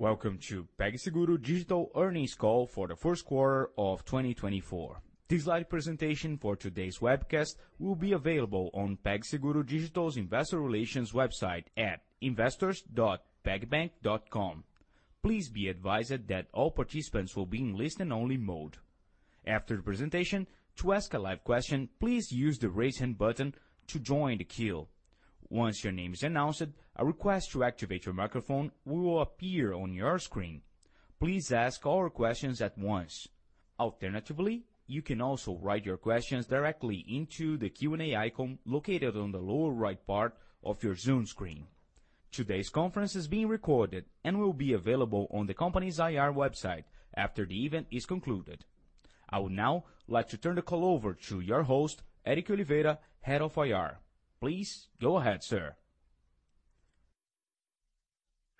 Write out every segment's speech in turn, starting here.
Welcome to PagSeguro Digital earnings call for the 1Q of 2024. The slide presentation for today's webcast will be available on PagSeguro Digital's Investor Relations website at investors.pagbank.com. Please be advised that all participants will be in listen-only mode. After the presentation, to ask a live question, please use the Raise Hand button to join the queue. Once your name is announced, a request to activate your microphone will appear on your screen. Please ask all questions at once. Alternatively, you can also write your questions directly into the Q&A icon located on the lower right part of your Zoom screen. Today's conference is being recorded and will be available on the company's IR website after the event is concluded. I would now like to turn the call over to your host, Erick Oliveira, Head of IR. Please go ahead, sir.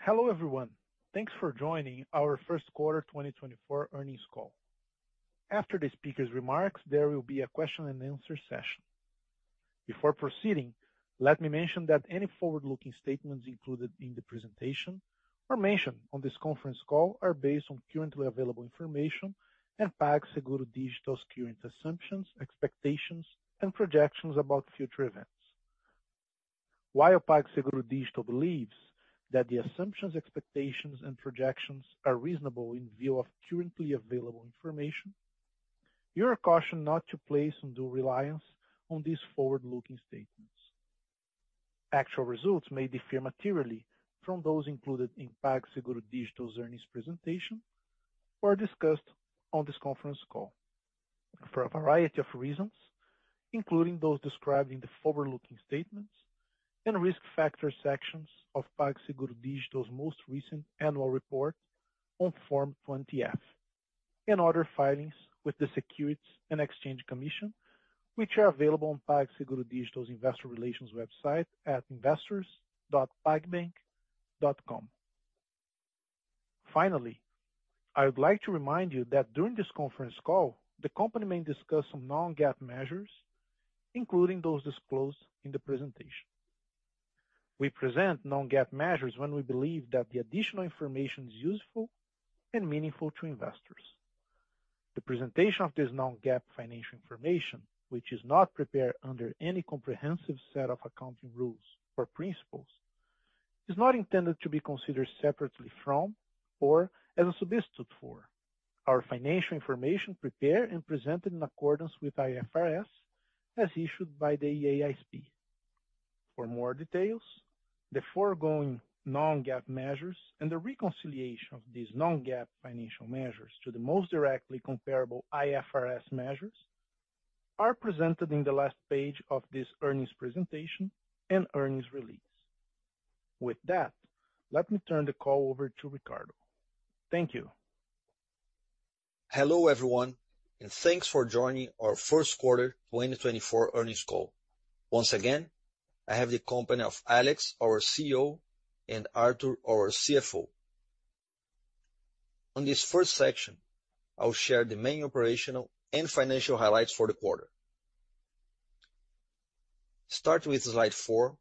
Hello, everyone. Thanks for joining our 1Q 2024 earnings call. After the speaker's remarks, there will be a question and answer session. Before proceeding, let me mention that any forward-looking statements included in the presentation or mentioned on this conference call are based on currently available information and PagSeguro Digital's current assumptions, expectations, and projections about future events. While PagSeguro Digital believes that the assumptions, expectations, and projections are reasonable in view of currently available information, you are cautioned not to place undue reliance on these forward-looking statements. Actual results may differ materially from those included in PagSeguro Digital's earnings presentation or discussed on this conference call for a variety of reasons, including those described in the forward-looking statements and risk factor sections of PagSeguro Digital's most recent annual report on Form 20-F and other filings with the Securities and Exchange Commission, which are available on PagSeguro Digital's Investor Relations website at investors.pagbank.com. Finally, I would like to remind you that during this conference call, the company may discuss some non-GAAP measures, including those disclosed in the presentation. We present non-GAAP measures when we believe that the additional information is useful and meaningful to investors. The presentation of this non-GAAP financial information, which is not prepared under any comprehensive set of accounting rules or principles, is not intended to be considered separately from or as a substitute for our financial information prepared and presented in accordance with IFRS, as issued by the IASB. For more details, the foregoing non-GAAP measures and the reconciliation of these non-GAAP financial measures to the most directly comparable IFRS measures are presented in the last page of this earnings presentation and earnings release. With that, let me turn the call over to Ricardo. Thank you. Hello, everyone, and thanks for joining our 1Q 2024 earnings call. Once again, I have the company of Alex, our CEO, and Artur, our CFO. On this first section, I will share the main operational and financial highlights for the quarter. Starting with slide 4,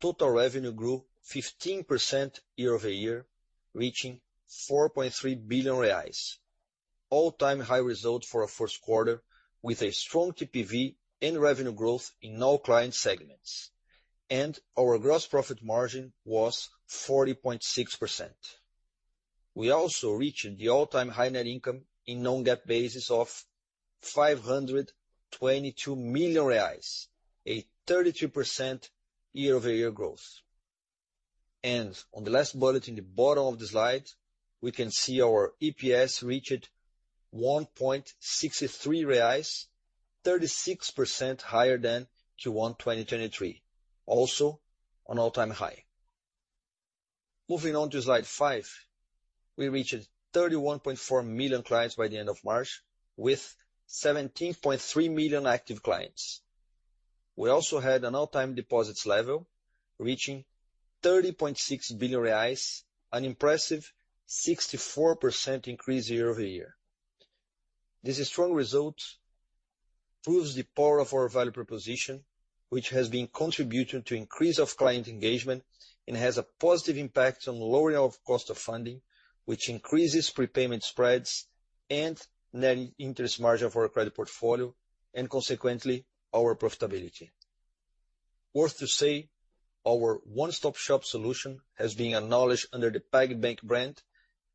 total revenue grew 15% year-over-year, reaching 4.3 billion reais, all-time high result for our 1Q, with a strong TPV and revenue growth in all client segments, and our gross profit margin was 40.6%. We also reached the all-time high net income in non-GAAP basis of 522 million reais, a 33% year-over-year growth. On the last bullet in the bottom of the slide, we can see our EPS reached 1.63 reais, 36% higher than Q1 2023, also an all-time high. Moving on to slide 5, we reached 31.4 million clients by the end of March, with 17.3 million active clients. We also had an all-time deposits level, reaching 30.6 billion reais, an impressive 64% increase year-over-year. This strong result proves the power of our value proposition, which has been contributing to increase of client engagement and has a positive impact on lowering of cost of funding, which increases prepayment spreads and net interest margin for our credit portfolio, and consequently, our profitability. Worth to say, our one-stop-shop solution has been acknowledged under the PagBank brand,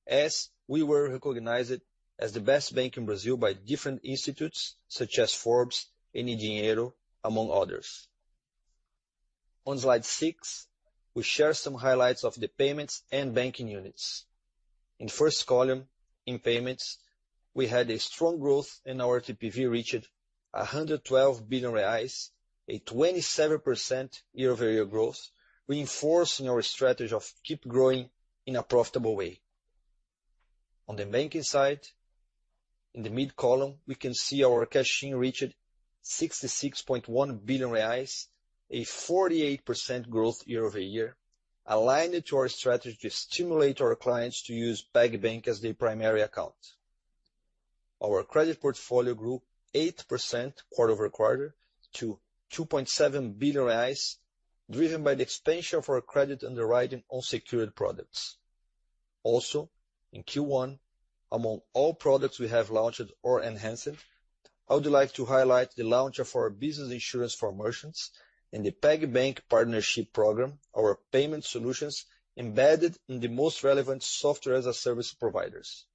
as we were recognized as the best bank in Brazil by different institutes, such as Forbes and Dinheiro, among others. On slide 6, we share some highlights of the payments and banking units. In the first column, in payments, we had a strong growth, and our TPV reached 112 billion reais, a 27% year-over-year growth, reinforcing our strategy of keep growing in a profitable way. On the banking side, in the mid column, we can see our cash-in reached 66.1 billion reais, a 48% growth year-over-year, aligned to our strategy to stimulate our clients to use PagBank as their primary account. Our credit portfolio grew 8% quarter-over-quarter to 2.7 billion reais, driven by the expansion of our credit underwriting on secured products. Also, in Q1, among all products we have launched or enhanced, I would like to highlight the launch of our business insurance for merchants and the PagBank Partnership Program, our payment solutions embedded in the most relevant software-as-a-service providers.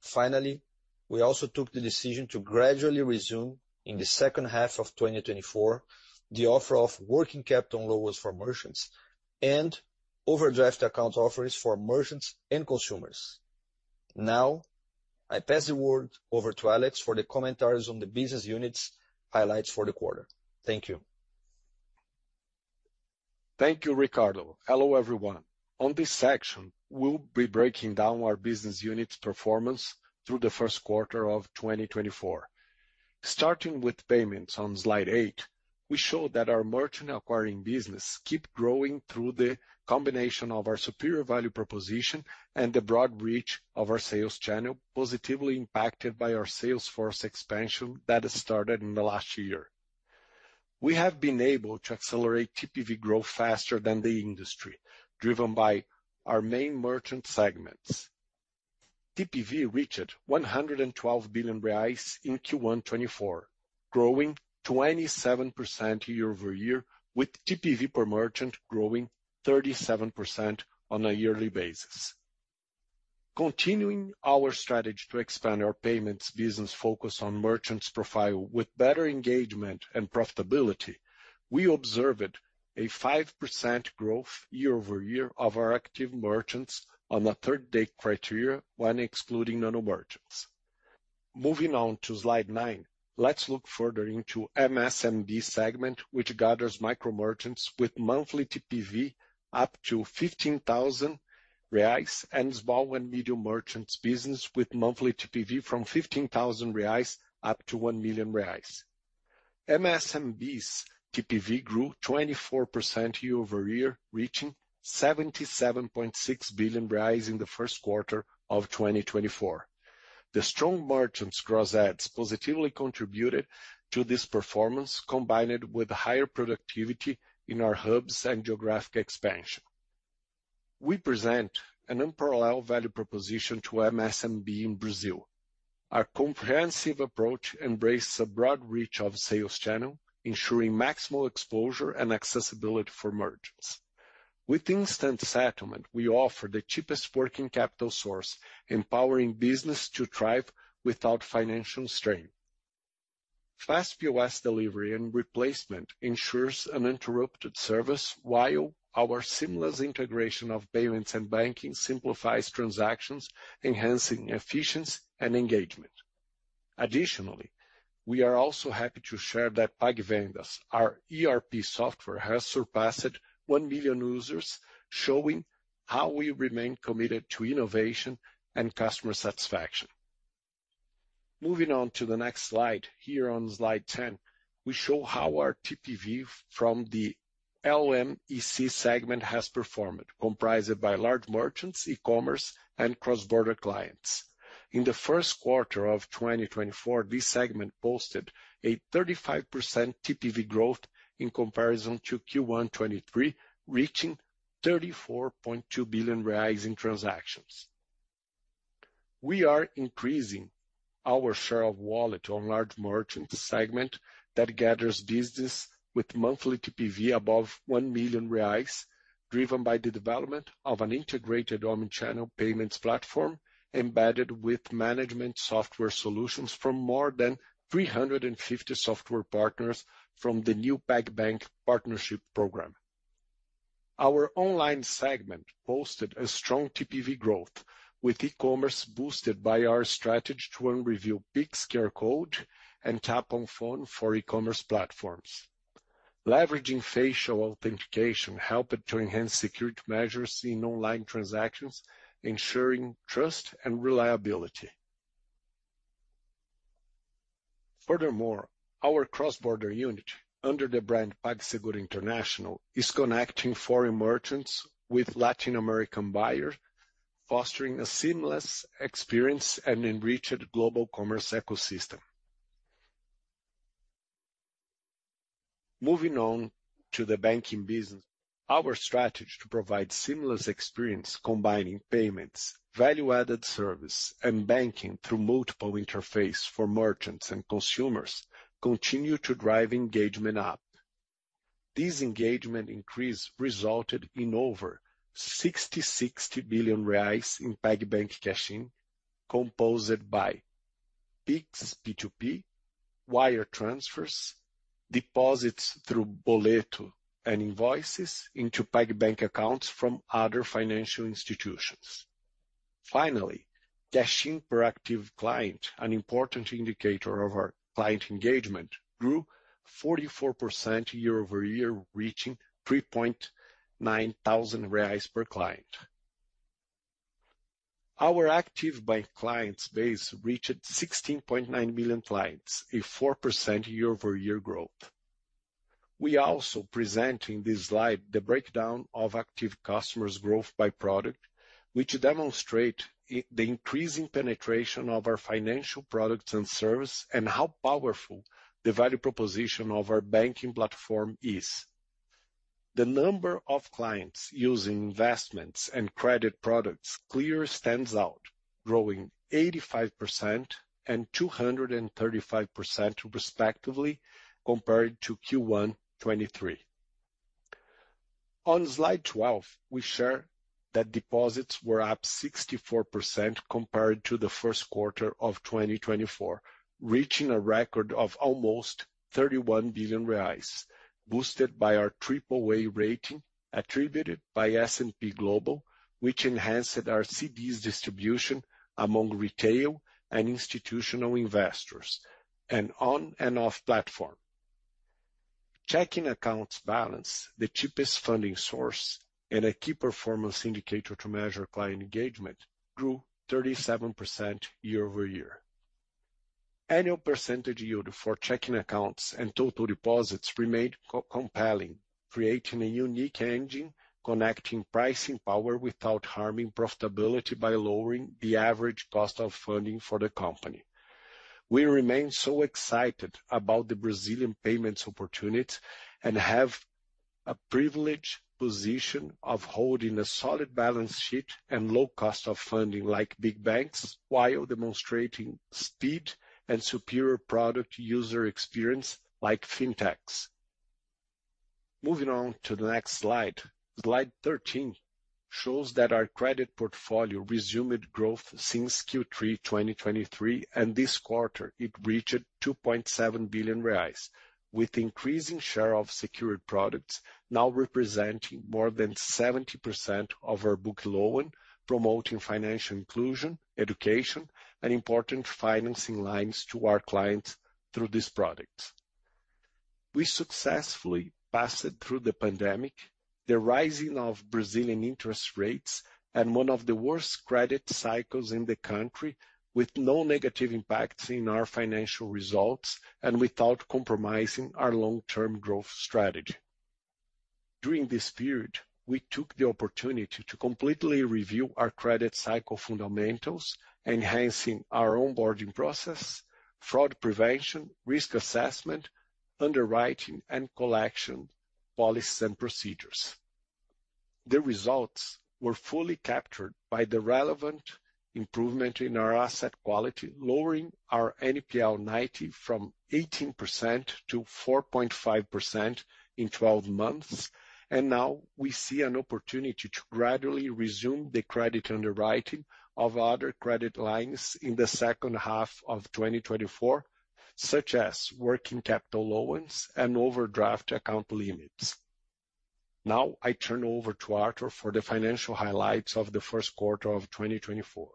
Finally, we also took the decision to gradually resume, in the H2 of 2024, the offer of working capital loans for merchants and overdraft account offerings for merchants and consumers. Now, I pass the word over to Alex for the commentaries on the business units' highlights for the quarter. Thank you. Thank you, Ricardo. Hello, everyone. On this section, we'll be breaking down our business unit performance through the 1Q of 2024. Starting with payments on Slide 8, we show that our merchant acquiring business keep growing through the combination of our superior value proposition and the broad reach of our sales channel, positively impacted by our sales force expansion that has started in the last year. We have been able to accelerate TPV growth faster than the industry, driven by our main merchant segments. TPV reached 112 billion reais in Q1 2024, growing 27% year-over-year, with TPV per merchant growing 37% on a yearly basis. Continuing our strategy to expand our payments business focus on merchants profile with better engagement and profitability, we observed a 5% growth year-over-year of our active merchants on a 30-day criteria, when excluding Nano Merchants. Moving on to Slide 9, let's look further into MSMB segment, which gathers micro merchants with monthly TPV up to 15,000 reais and small and medium merchants business with monthly TPV from 15,000 reais up to 1 million reais. MSMB's TPV grew 24% year-over-year, reaching 77.6 billion reais in the 1Q of 2024. The strong merchants' gross adds positively contributed to this performance, combined with higher productivity in our hubs and geographic expansion. We present an unparalleled value proposition to MSMB in Brazil. Our comprehensive approach embraces a broad reach of sales channel, ensuring maximal exposure and accessibility for merchants. With instant settlement, we offer the cheapest working capital source, empowering business to thrive without financial strain. Fast POS delivery and replacement ensures uninterrupted service, while our seamless integration of payments and banking simplifies transactions, enhancing efficiency and engagement. Additionally, we are also happy to share that PagVendas, our ERP software, has surpassed 1 million users, showing how we remain committed to innovation and customer satisfaction. Moving on to the next slide, here on Slide 10, we show how our TPV from the LMEC segment has performed, comprised by large merchants, e-commerce, and cross-border clients. In the 1Q of 2024, this segment posted a 35% TPV growth in comparison to Q1 2023, reaching 34.2 billion in transactions. We are increasing our share of wallet on large merchant segment that gathers business with monthly TPV above 1 million reais, driven by the development of an integrated omni-channel payments platform, embedded with management software solutions from more than 350 software partners from the new PagBank Partnership Program. Our online segment posted a strong TPV growth, with e-commerce boosted by our strategy to unreveal Pix QR Code and Tap on Phone for e-commerce platforms. Leveraging facial authentication helped to enhance security measures in online transactions, ensuring trust and reliability. Furthermore, our cross-border unit, under the brand PagSeguro International, is connecting foreign merchants with Latin American buyer, fostering a seamless experience and enriched global commerce ecosystem. Moving on to the banking business, our strategy to provide seamless experience, combining payments, value-added service, and banking through multiple interface for merchants and consumers, continue to drive engagement up. This engagement increase resulted in over BRL 60 billion in PagBank cash-in, composed by Pix P2P, wire transfers, deposits through boleto and invoices into PagBank accounts from other financial institutions. Finally, cash-in per active client, an important indicator of our client engagement, grew 44% year-over-year, reaching 3.9 thousand reais per client. Our active bank clients base reached 16.9 million clients, a 4% year-over-year growth.... We also present in this slide the breakdown of active customers' growth by product, which demonstrate the increasing penetration of our financial products and service, and how powerful the value proposition of our banking platform is. The number of clients using investments and credit products clearly stands out, growing 85% and 235% respectively, compared to Q1 2023. On slide 12, we share that deposits were up 64% compared to the 1Q of 2024, reaching a record of almost 31 billion reais, boosted by our AAA rating attributed by S&P Global, which enhanced our CDs distribution among retail and institutional investors, and on and off platform. Checking accounts balance, the cheapest funding source and a key performance indicator to measure client engagement, grew 37% year-over-year. Annual percentage yield for checking accounts and total deposits remained so compelling, creating a unique engine, connecting pricing power without harming profitability by lowering the average cost of funding for the company. We remain so excited about the Brazilian payments opportunity, and have a privileged position of holding a solid balance sheet and low cost of funding like big banks, while demonstrating speed and superior product user experience like Fintechs. Moving on to the next slide. Slide 13 shows that our credit portfolio resumed growth since Q3 2023, and this quarter it reached 2.7 billion reais, with increasing share of secured products now representing more than 70% of our book loan, promoting financial inclusion, education, and important financing lines to our clients through this product. We successfully passed through the pandemic, the rising of Brazilian interest rates, and one of the worst credit cycles in the country, with no negative impacts in our financial results and without compromising our long-term growth strategy. During this period, we took the opportunity to completely review our credit cycle fundamentals, enhancing our onboarding process, fraud prevention, risk assessment, underwriting, and collection policies and procedures. The results were fully captured by the relevant improvement in our asset quality, lowering our NPL 90 from 18% to 4.5% in 12 months, and now we see an opportunity to gradually resume the credit underwriting of other credit lines in the H2 of 2024, such as working capital loans and overdraft account limits. Now, I turn over to Artur for the financial highlights of the 1Q of 2024.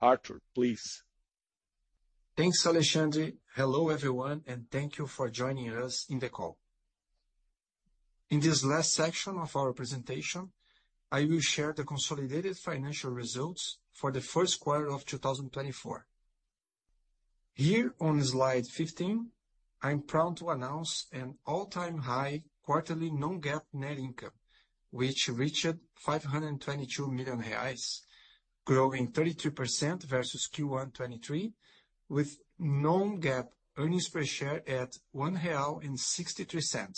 Artur, please. Thanks, Alexandre. Hello, everyone, and thank you for joining us in the call. In this last section of our presentation, I will share the consolidated financial results for the 1Q of 2024. Here on slide 15, I'm proud to announce an all-time high quarterly non-GAAP net income, which reached 522 million reais, growing 32% versus Q1 2023, with non-GAAP earnings per share at 1.63 real.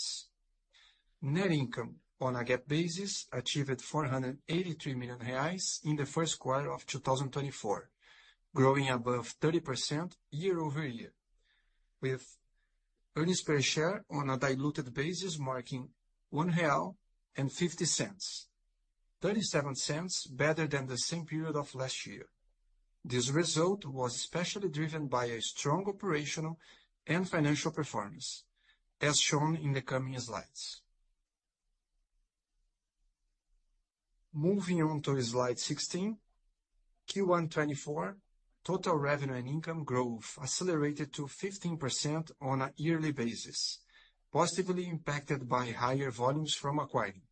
Net income on a GAAP basis achieved 483 million reais in the 1Q of 2024, growing above 30% year-over-year, with earnings per share on a diluted basis, marking 1.50 real, 0.37 better than the same period of last year. This result was especially driven by a strong operational and financial performance, as shown in the coming slides. Moving on to slide 16, Q1 2024, total revenue and income growth accelerated to 15% on a yearly basis, positively impacted by higher volumes from acquiring.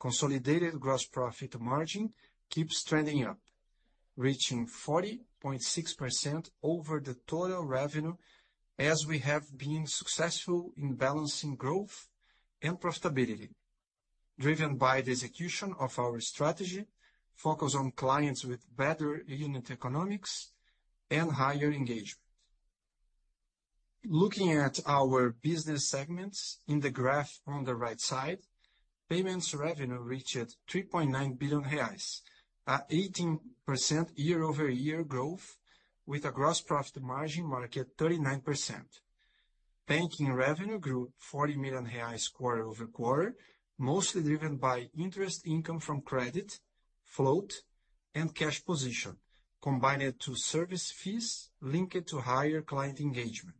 Consolidated gross profit margin keeps trending up, reaching 40.6% over the total revenue, as we have been successful in balancing growth and profitability, driven by the execution of our strategy, focus on clients with better unit economics and higher engagement. Looking at our business segments in the graph on the right side, payments revenue reached 3.9 billion reais, at 18% year-over-year growth, with a gross profit margin at 39%. Banking revenue grew 40 million reais quarter-over-quarter, mostly driven by interest income from credit, float, and cash position, combined to service fees linked to higher client engagement.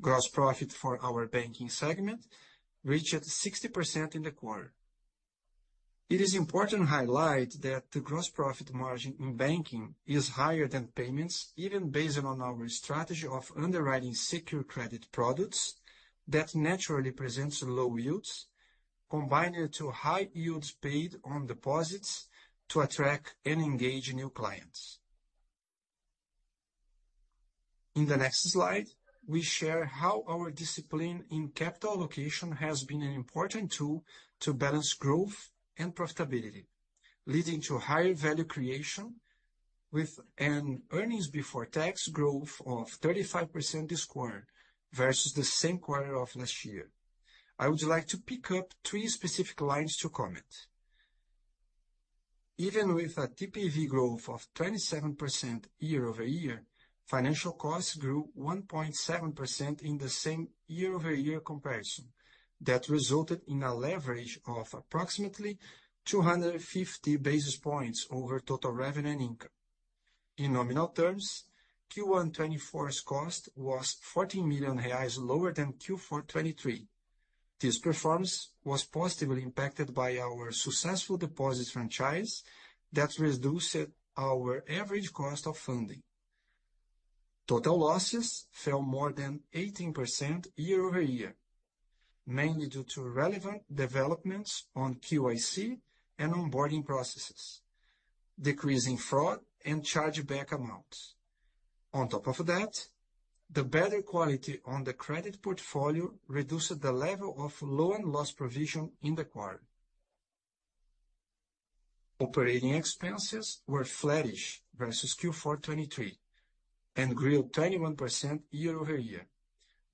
Gross profit for our banking segment reached 60% in the quarter. It is important to highlight that the gross profit margin in banking is higher than payments, even based on our strategy of underwriting secure credit products that naturally presents low yields, combined to high yields paid on deposits to attract and engage new clients. In the next slide, we share how our discipline in capital allocation has been an important tool to balance growth and profitability, leading to higher value creation with an earnings before tax growth of 35% this quarter versus the same quarter of last year. I would like to pick up three specific lines to comment. Even with a TPV growth of 27% year-over-year, financial costs grew 1.7% in the same year-over-year comparison. That resulted in a leverage of approximately 250 basis points over total revenue and income. In nominal terms, Q1 2024's cost was 14 million reais lower than Q4 2023. This performance was positively impacted by our successful deposit franchise that reduced our average cost of funding. Total losses fell more than 18% year-over-year, mainly due to relevant developments on KYC and onboarding processes, decreasing fraud and chargeback amounts. On top of that, the better quality on the credit portfolio reduced the level of loan loss provision in the quarter. Operating expenses were flattish versus Q4 2023 and grew 21% year-over-year,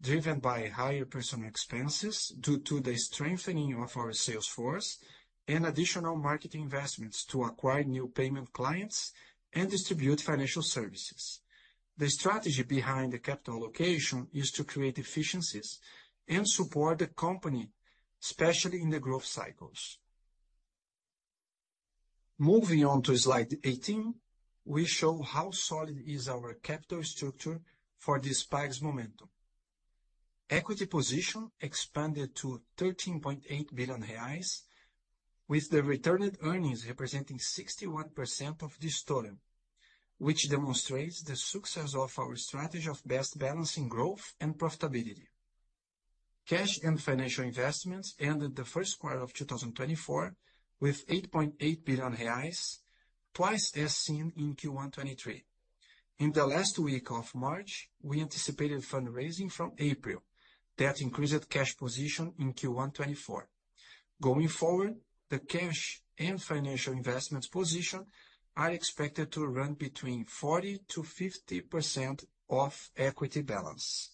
driven by higher personnel expenses due to the strengthening of our sales force and additional marketing investments to acquire new payment clients and distribute financial services. The strategy behind the capital allocation is to create efficiencies and support the company, especially in the growth cycles. Moving on to slide 18, we show how solid is our capital structure for this spikes momentum. Equity position expanded to 13.8 billion reais, with the returned earnings representing 61% of this total, which demonstrates the success of our strategy of best balancing growth and profitability. Cash and financial investments ended the 1Q of 2024 with 8.8 billion reais, twice as seen in Q1 2023. In the last week of March, we anticipated fundraising from April. That increased cash position in Q1 2024. Going forward, the cash and financial investments position are expected to run between 40%-50% of equity balance.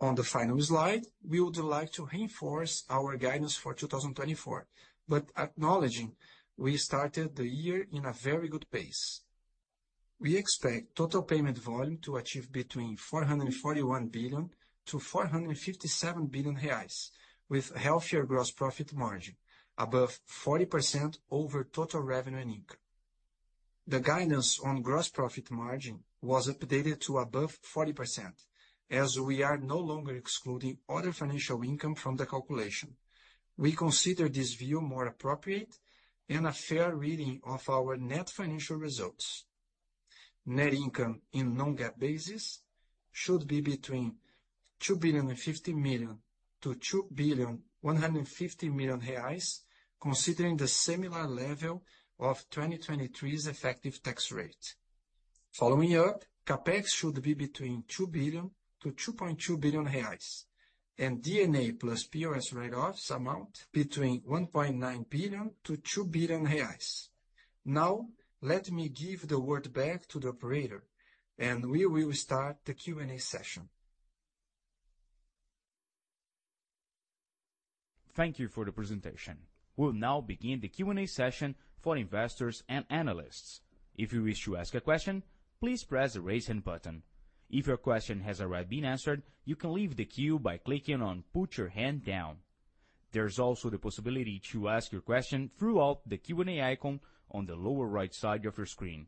On the final slide, we would like to reinforce our guidance for 2024, but acknowledging we started the year in a very good pace. We expect total payment volume to achieve between 441 billion-457 billion reais, with healthier gross profit margin above 40% over total revenue and income. The guidance on gross profit margin was updated to above 40%, as we are no longer excluding other financial income from the calculation. We consider this view more appropriate and a fair reading of our net financial results. Net income on non-GAAP basis should be between 2.05 billion-2.15 billion, considering the similar level of 2023's effective tax rate. Following up, CapEx should be between 2 billion-2.2 billion reais, and D&A plus POS write-offs amount between 1.9 billion-2 billion reais. Now, let me give the word back to the operator, and we will start the Q&A session. Thank you for the presentation. We'll now begin the Q&A session for investors and analysts. If you wish to ask a question, please press the Raise Hand button. If your question has already been answered, you can leave the queue by clicking on Put Your Hand Down. There's also the possibility to ask your question through the Q&A icon on the lower right side of your screen.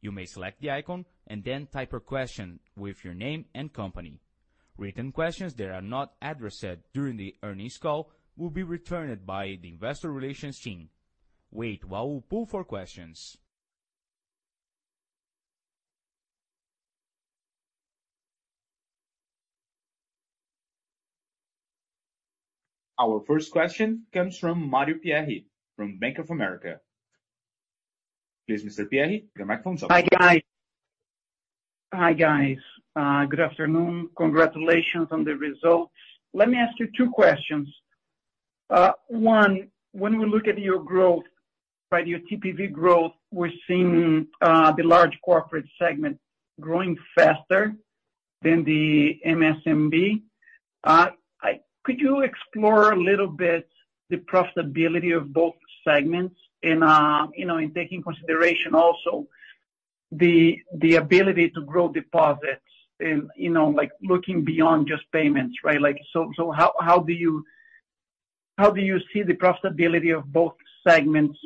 You may select the icon and then type your question with your name and company. Written questions that are not addressed during the earnings call will be returned by the investor relations team. Wait while we poll for questions. Our first question comes from Mario Pierry from Bank of America. Please, Mr. Pierry, the microphone is open. Hi, guys. Hi, guys. Good afternoon. Congratulations on the results. Let me ask you two questions. One, when we look at your growth, right, your TPV growth, we're seeing the large corporate segment growing faster than the MSMB. Could you explore a little bit the profitability of both segments and, you know, in taking consideration also the ability to grow deposits and, you know, like, looking beyond just payments, right? Like, so how do you see the profitability of both segments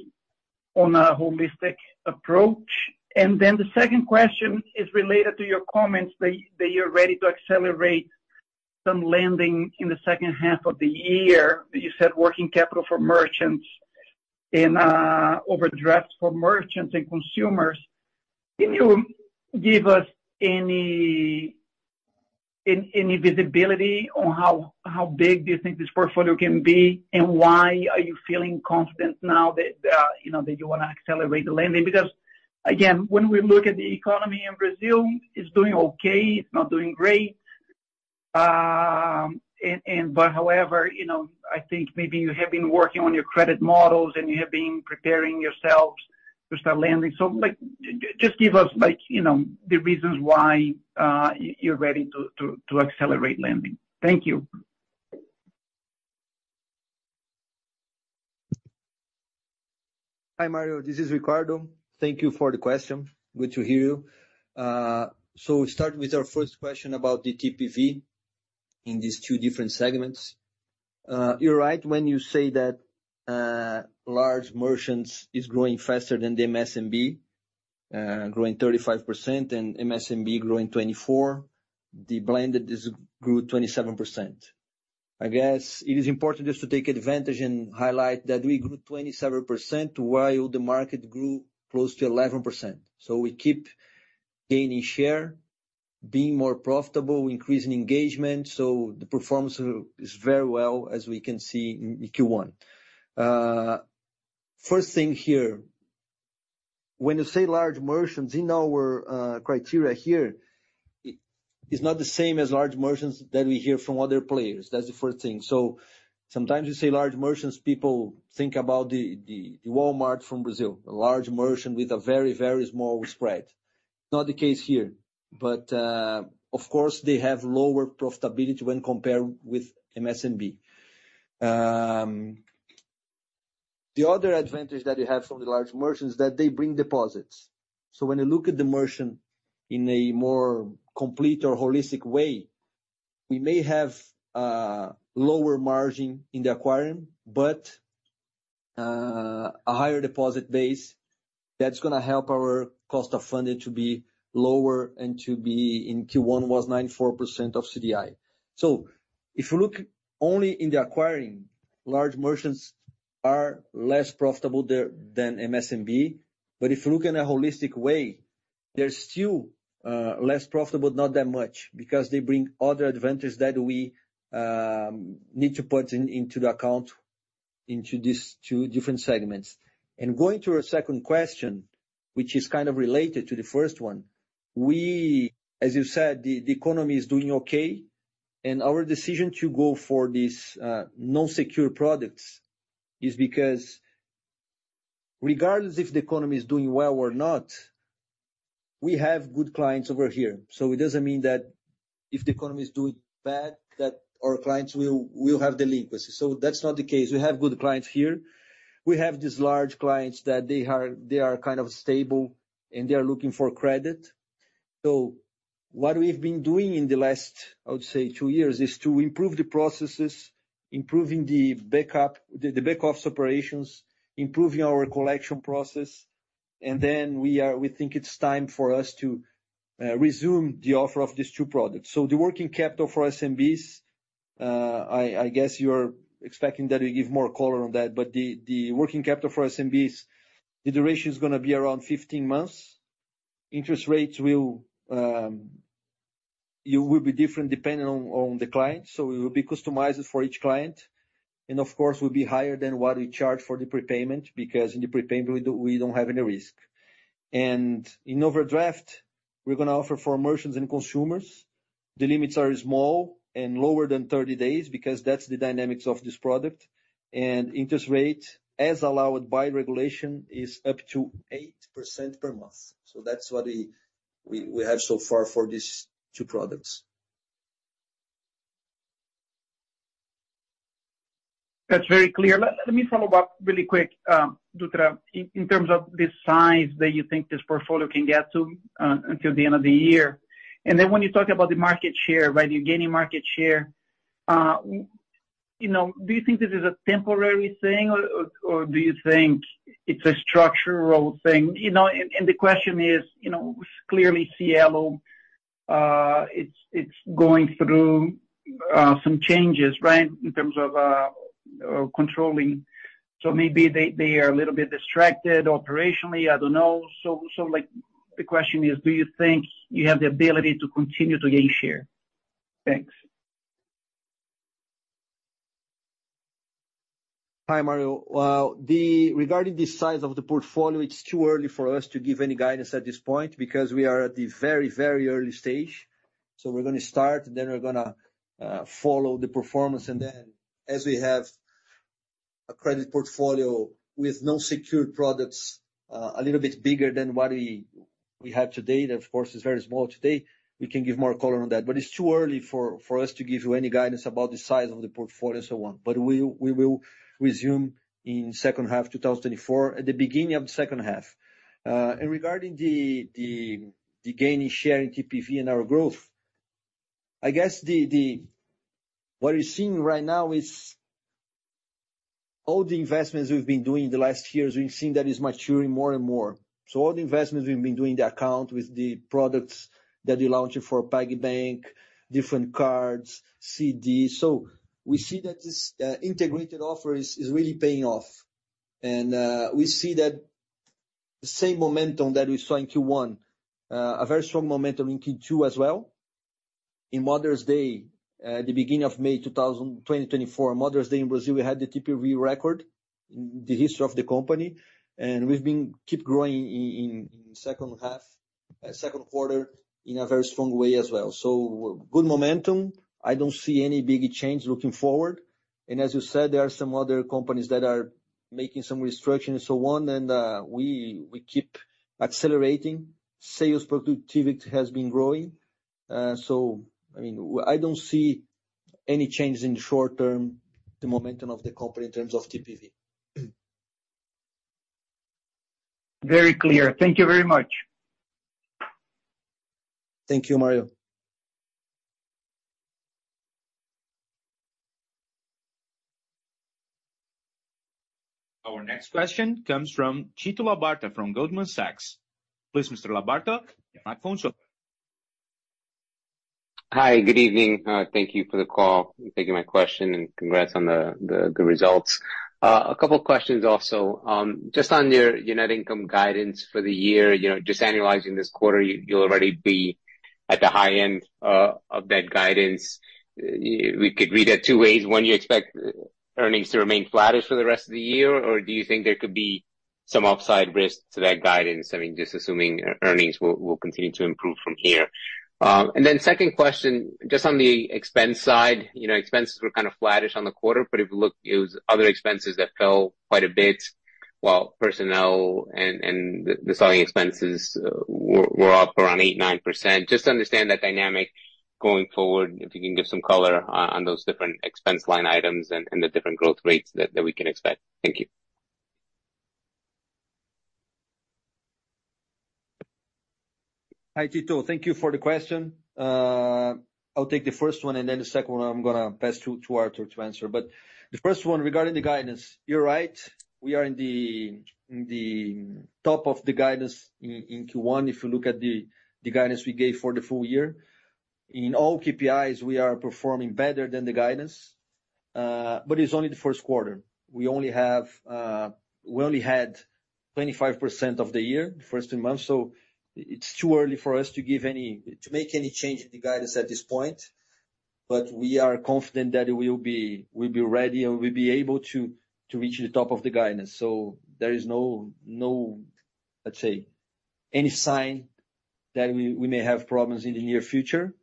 on a holistic approach? And then the second question is related to your comments that you're ready to accelerate some lending in the H2 of the year. That you said working capital for merchants and overdraft for merchants and consumers. Can you give us any-... Any visibility on how big do you think this portfolio can be? And why are you feeling confident now that, you know, that you wanna accelerate the lending? Because, again, when we look at the economy in Brazil, it's doing okay, it's not doing great. But however, you know, I think maybe you have been working on your credit models, and you have been preparing yourselves to start lending. So, like, just give us, like, you know, the reasons why you're ready to accelerate lending. Thank you. Hi, Mario, this is Ricardo. Thank you for the question. Good to hear you. So starting with our first question about the TPV in these two different segments. You're right when you say that large merchants is growing faster than the MSMB. Growing 35% and MSMB growing 24%, the blended is grew 27%. I guess it is important just to take advantage and highlight that we grew 27% while the market grew close to 11%. So we keep gaining share, being more profitable, increasing engagement, so the performance is very well as we can see in Q1. First thing here, when you say large merchants, in our criteria here, it's not the same as large merchants that we hear from other players. That's the first thing. So sometimes you say large merchants, people think about the Walmart from Brazil, a large merchant with a very, very small spread. Not the case here, but of course, they have lower profitability when compared with MSMB. The other advantage that we have from the large merchants, that they bring deposits. So when you look at the merchant in a more complete or holistic way, we may have lower margin in the acquiring, but a higher deposit base, that's gonna help our cost of funding to be lower and to be... In Q1 was 94% of CDI. So if you look only in the acquiring, large merchants are less profitable there than MSMB, but if you look in a holistic way, they're still less profitable, not that much, because they bring other advantages that we need to put into the account, into these two different segments. Going to your second question, which is kind of related to the first one, we, as you said, the economy is doing okay, and our decision to go for these unsecured products is because regardless if the economy is doing well or not, we have good clients over here. So it doesn't mean that if the economy is doing bad, that our clients will have delinquency. So that's not the case. We have good clients here. We have these large clients that they are kind of stable, and they are looking for credit. So what we've been doing in the last, I would say, 2 years, is to improve the processes, improving the backup, the back-office operations, improving our collection process, and then we think it's time for us to resume the offer of these two products. So the working capital for SMBs, I guess you're expecting that we give more color on that, but the working capital for SMBs, the duration is gonna be around 15 months. Interest rates will, it will be different depending on the client, so it will be customized for each client. And of course, will be higher than what we charge for the prepayment, because in the prepayment, we don't have any risk. In overdraft, we're gonna offer for merchants and consumers. The limits are small and lower than 30 days, because that's the dynamics of this product. And interest rate, as allowed by regulation, is up to 8% per month. So that's what we have so far for these two products. That's very clear. Let me follow up really quick, Dutra, in terms of the size that you think this portfolio can get to, until the end of the year. And then when you talk about the market share, right, you're gaining market share, you know, do you think this is a temporary thing, or do you think it's a structural thing? You know, and the question is, you know, clearly Cielo, it's going through some changes, right? In terms of controlling. So maybe they are a little bit distracted operationally, I don't know. So, like, the question is: Do you think you have the ability to continue to gain share? Thanks. Hi, Mario. Well, regarding the size of the portfolio, it's too early for us to give any guidance at this point because we are at the very, very early stage. So we're gonna start, then we're gonna follow the performance, and then as we have a credit portfolio with unsecured products, a little bit bigger than what we, we have today, that, of course, is very small today, we can give more color on that. But it's too early for, for us to give you any guidance about the size of the portfolio and so on. But we, we will resume in H2 2024, at the beginning of the H2. And regarding the gaining share in TPV and our growth, I guess what we're seeing right now is all the investments we've been doing in the last years. We've seen that it's maturing more and more. So all the investments we've been doing, the account with the products that we're launching for PagBank, different cards, CD. So we see that this integrated offer is really paying off. And we see that the same momentum that we saw in Q1, a very strong momentum in Q2 as well. On Mother's Day, the beginning of May 2024, Mother's Day in Brazil, we had the TPV record in the history of the company, and we've been keeping growing in the 2Q in a very strong way as well. So good momentum. I don't see any big change looking forward, and as you said, there are some other companies that are making some restructuring and so on, and we keep accelerating. Sales productivity has been growing. So I mean, I don't see any changes in the short term, the momentum of the company in terms of TPV. Very clear. Thank you very much. Thank you, Mario. Our next question comes from Tito Labarta from Goldman Sachs. Please, Mr. Labarta, the microphone is yours. Hi, good evening. Thank you for the call. Thank you for my question, and congrats on the results. A couple of questions also. Just on your net income guidance for the year, you know, just annualizing this quarter, you'll already be at the high end of that guidance. We could read that two ways. One, you expect earnings to remain flattish for the rest of the year, or do you think there could be some upside risk to that guidance? I mean, just assuming earnings will continue to improve from here. And then second question, just on the expense side, you know, expenses were kind of flattish on the quarter, but if you look, it was other expenses that fell quite a bit, while personnel and the selling expenses were up around 8%-9%. Just to understand that dynamic going forward, if you can give some color on those different expense line items and the different growth rates that we can expect. Thank you. Hi, Tito. Thank you for the question. I'll take the first one, and then the second one, I'm gonna pass to Artur to answer. But the first one, regarding the guidance, you're right, we are in the top of the guidance in Q1, if you look at the guidance we gave for the full year. In all KPIs, we are performing better than the guidance, but it's only the 1Q. We only had 25% of the year, the first two months, so it's too early for us to make any change in the guidance at this point. But we are confident that we will be ready and we'll be able to reach the top of the guidance. So there is no, let's say, any sign that we may have problems in the near future.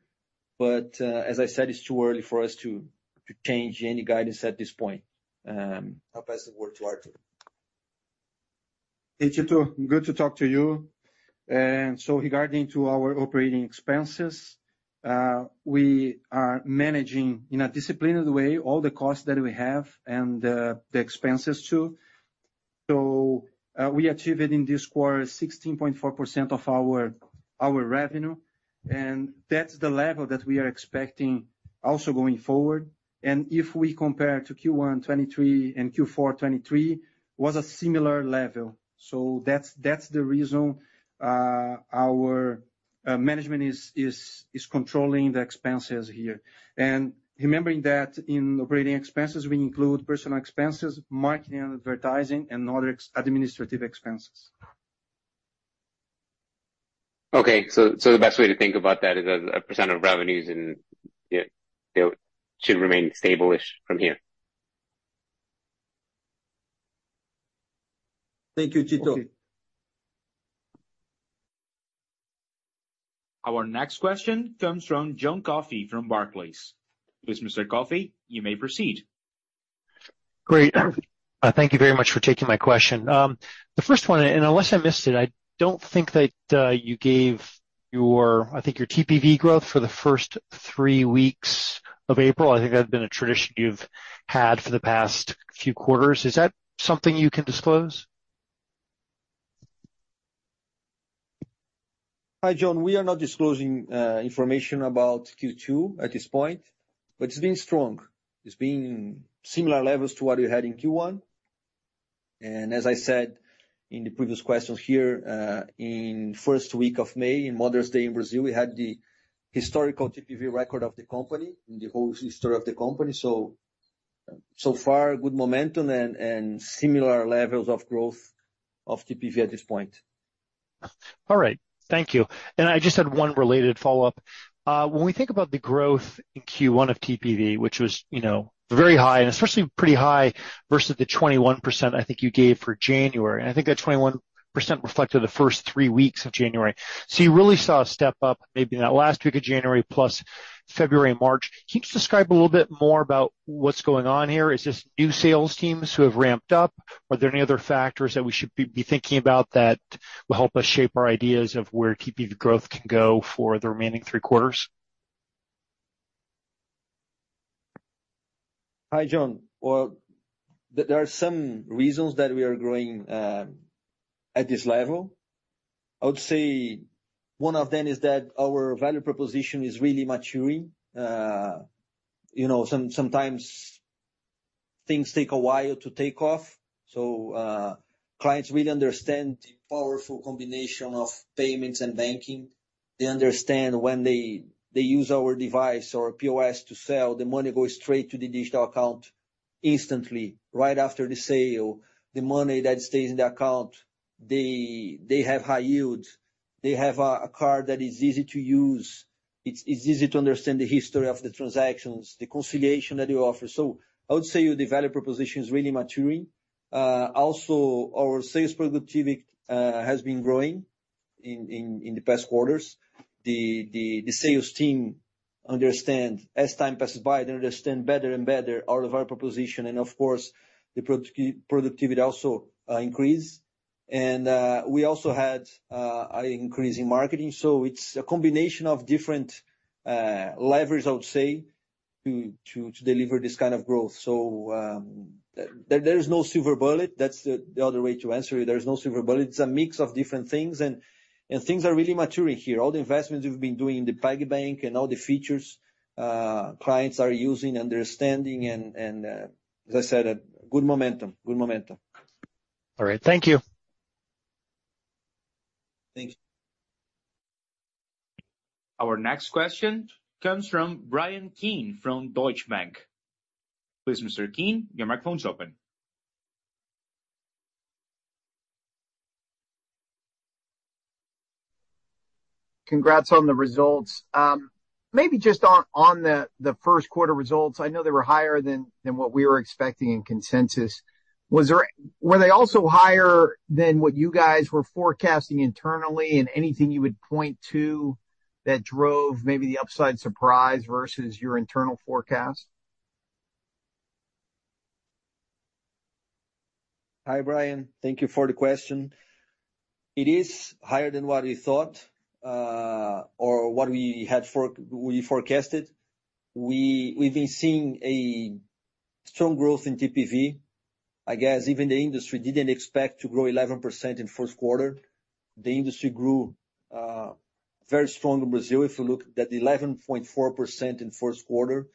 But, as I said, it's too early for us to change any guidance at this point. I'll pass the word to Artur. Hey, Tito, good to talk to you. So regarding to our operating expenses, we are managing in a disciplined way all the costs that we have and the expenses, too. So we achieved it in this quarter, 16.4% of our revenue, and that's the level that we are expecting also going forward. And if we compare to Q1 2023 and Q4 2023, was a similar level. So that's the reason our management is controlling the expenses here. And remembering that in operating expenses, we include personal expenses, marketing and advertising, and other administrative expenses. Okay, so, so the best way to think about that is as a percent of revenues, and it, it should remain stableish from here. Thank you, Tito. Our next question comes from John Coffey from Barclays. Please, Mr. Coffey, you may proceed. Great. Thank you very much for taking my question. The first one, and unless I missed it, I don't think that you gave your, I think, your TPV growth for the first three weeks of April. I think that's been a tradition you've had for the past few quarters. Is that something you can disclose? Hi, John. We are not disclosing information about Q2 at this point, but it's been strong. It's been similar levels to what we had in Q1. And as I said in the previous questions here, in first week of May, in Mother's Day in Brazil, we had the historical TPV record of the company, in the whole history of the company. So, so far, good momentum and, and similar levels of growth of TPV at this point. All right, thank you. And I just had one related follow-up. When we think about the growth in Q1 of TPV, which was, you know, very high, and especially pretty high versus the 21% I think you gave for January. I think that 21% reflected the first three weeks of January. So you really saw a step up, maybe in that last week of January, plus February, March. Can you just describe a little bit more about what's going on here? Is this new sales teams who have ramped up? Are there any other factors that we should be thinking about that will help us shape our ideas of where TPV growth can go for the remaining three quarters? Hi, John. Well, there are some reasons that we are growing at this level. I would say one of them is that our value proposition is really maturing. You know, sometimes things take a while to take off, so clients really understand the powerful combination of payments and banking. They understand when they use our device or POS to sell, the money goes straight to the digital account instantly, right after the sale, the money that stays in the account, they have high yields. They have a card that is easy to use. It's easy to understand the history of the transactions, the reconciliation that they offer. So I would say the value proposition is really maturing. Also, our sales productivity has been growing in the past quarters. The sales team understand as time passes by, they understand better and better all of our proposition, and of course, the productivity also increase. And we also had an increase in marketing. So it's a combination of different levers, I would say, to deliver this kind of growth. So there is no silver bullet. That's the other way to answer it. There is no silver bullet. It's a mix of different things, and things are really maturing here. All the investments we've been doing in the PagBank and all the features clients are using, understanding, and as I said, a good momentum, good momentum. All right. Thank you. Thank you. Our next question comes from Brian Keane from Deutsche Bank. Please, Mr. Keane, your microphone is open. Congrats on the results. Maybe just on the 1Q results, I know they were higher than what we were expecting in consensus. Were they also higher than what you guys were forecasting internally, and anything you would point to that drove maybe the upside surprise versus your internal forecast? Hi, Brian. Thank you for the question. It is higher than what we thought, or what we had forecasted. We've been seeing a strong growth in TPV. I guess even the industry didn't expect to grow 11% in 1Q. The industry grew very strong in Brazil, if you look at the 11.4% in 1Q.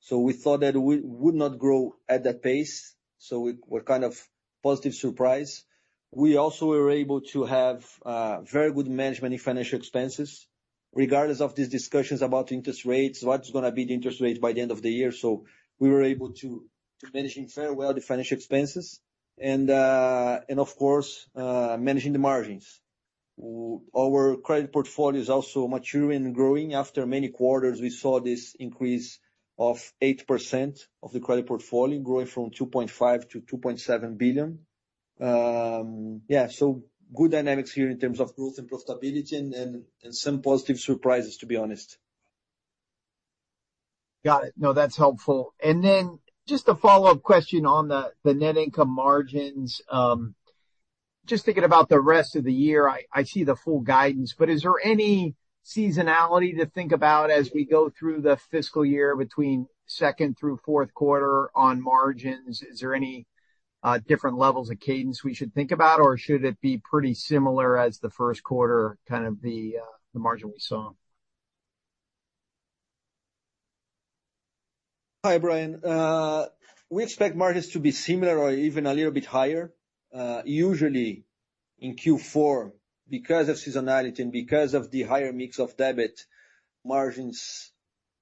So we thought that we would not grow at that pace, so we were kind of positive surprised. We also were able to have very good management in financial expenses, regardless of these discussions about interest rates, what's gonna be the interest rates by the end of the year. So we were able to managing very well the financial expenses and, and of course, managing the margins. Our credit portfolio is also maturing and growing. After many quarters, we saw this increase of 8% of the credit portfolio, growing from 2.5 billion to 2.7 billion. Yeah, so good dynamics here in terms of growth and profitability and some positive surprises, to be honest. Got it. No, that's helpful. And then just a follow-up question on the net income margins. Just thinking about the rest of the year, I see the full guidance, but is there any seasonality to think about as we go through the fiscal year between second through fourth quarter on margins? Is there any different levels of cadence we should think about, or should it be pretty similar as the 1Q, kind of the margin we saw? Hi, Brian. We expect margins to be similar or even a little bit higher. Usually in Q4, because of seasonality and because of the higher mix of debit, margins